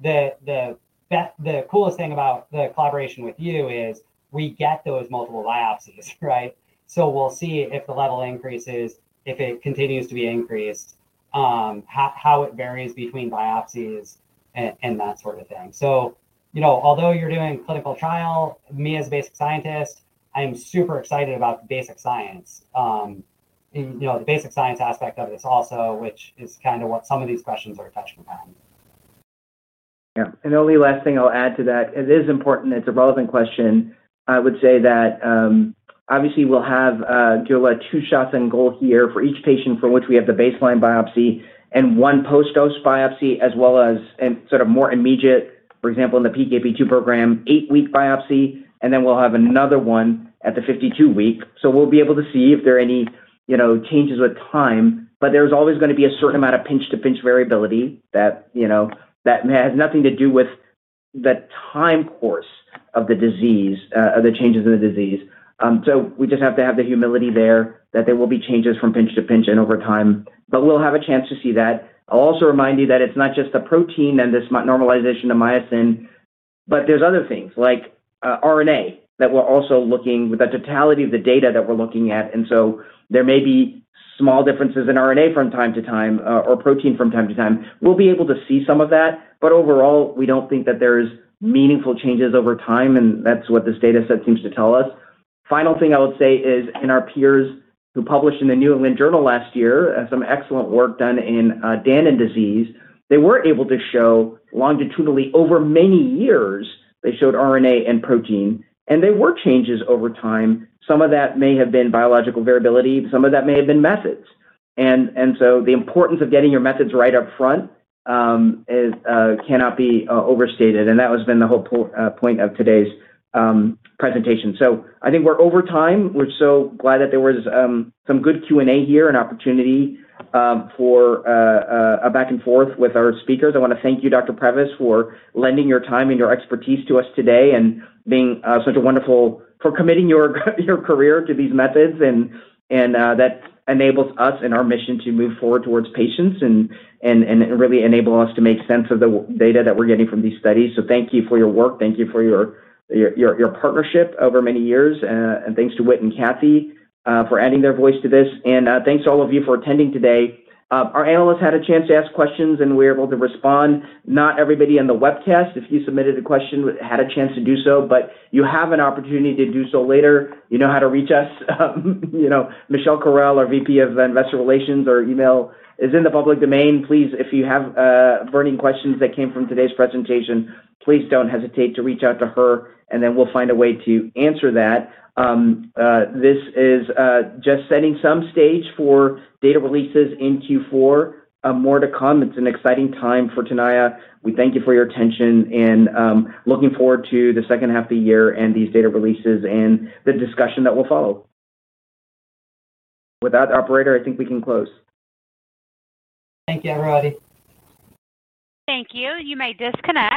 the coolest thing about the collaboration with you is we get those multiple biopsies, right? We'll see if the level increases, if it continues to be increased, how it varies between biopsies and that sort of thing. Although you're doing a clinical trial, me as a basic scientist, I'm super excited about basic science, and the basic science aspect of this also, which is kind of what some of these questions are touching upon. Yeah, and the only last thing I'll add to that, it is important. It's a relevant question. I would say that obviously we'll have two shots on goal here for each patient for which we have the baseline biopsy and one post-dose biopsy, as well as more immediate, for example, in the PKP2 program, eight-week biopsy. We'll have another one at the 52-week. We'll be able to see if there are any changes with time. There's always going to be a certain amount of pinch-to-pinch variability that has nothing to do with the time course of the disease or the changes in the disease. We just have to have the humility there that there will be changes from pinch to pinch and over time. We'll have a chance to see that. I'll also remind you that it's not just the protein and this normalization of myosin, but there's other things like RNA that we're also looking at with the totality of the data that we're looking at. There may be small differences in RNA from time to time or protein from time to time. We'll be able to see some of that. Overall, we don't think that there's meaningful changes over time. That's what this data set seems to tell us. Final thing I would say is in our peers who published in the New England Journal last year, some excellent work done in Danon disease, they were able to show longitudinally over many years, they showed RNA and protein. There were changes over time. Some of that may have been biological variability. Some of that may have been methods. The importance of getting your methods right up front cannot be overstated. That has been the whole point of today's presentation. I think we're over time. We're so glad that there was some good Q&A here and opportunity for a back and forth with our speakers. I want to thank you, Dr. Previs, for lending your time and your expertise to us today and for committing your career to these methods. That enables us and our mission to move forward towards patients and really enables us to make sense of the data that we're getting from these studies. Thank you for your work. Thank you for your partnership over many years. Thanks to Whit and Kathy for adding their voice to this. Thanks to all of you for attending today. Our analysts had a chance to ask questions, and we were able to respond. Not everybody on the webcast, if you submitted a question, had a chance to do so. You have an opportunity to do so later. You know how to reach us. You know, Michelle Corrall, our VP of Investor Relations, our email is in the public domain. Please, if you have burning questions that came from today's presentation, please don't hesitate to reach out to her. We'll find a way to answer that. This is just setting some stage for data releases in Q4. More to come. It's an exciting time for Tenaya Therapeutics. We thank you for your attention and looking forward to the second half of the year and these data releases and the discussion that will follow. With that, Operator, I think we can close. Thank you, everybody. Thank you. You may disconnect.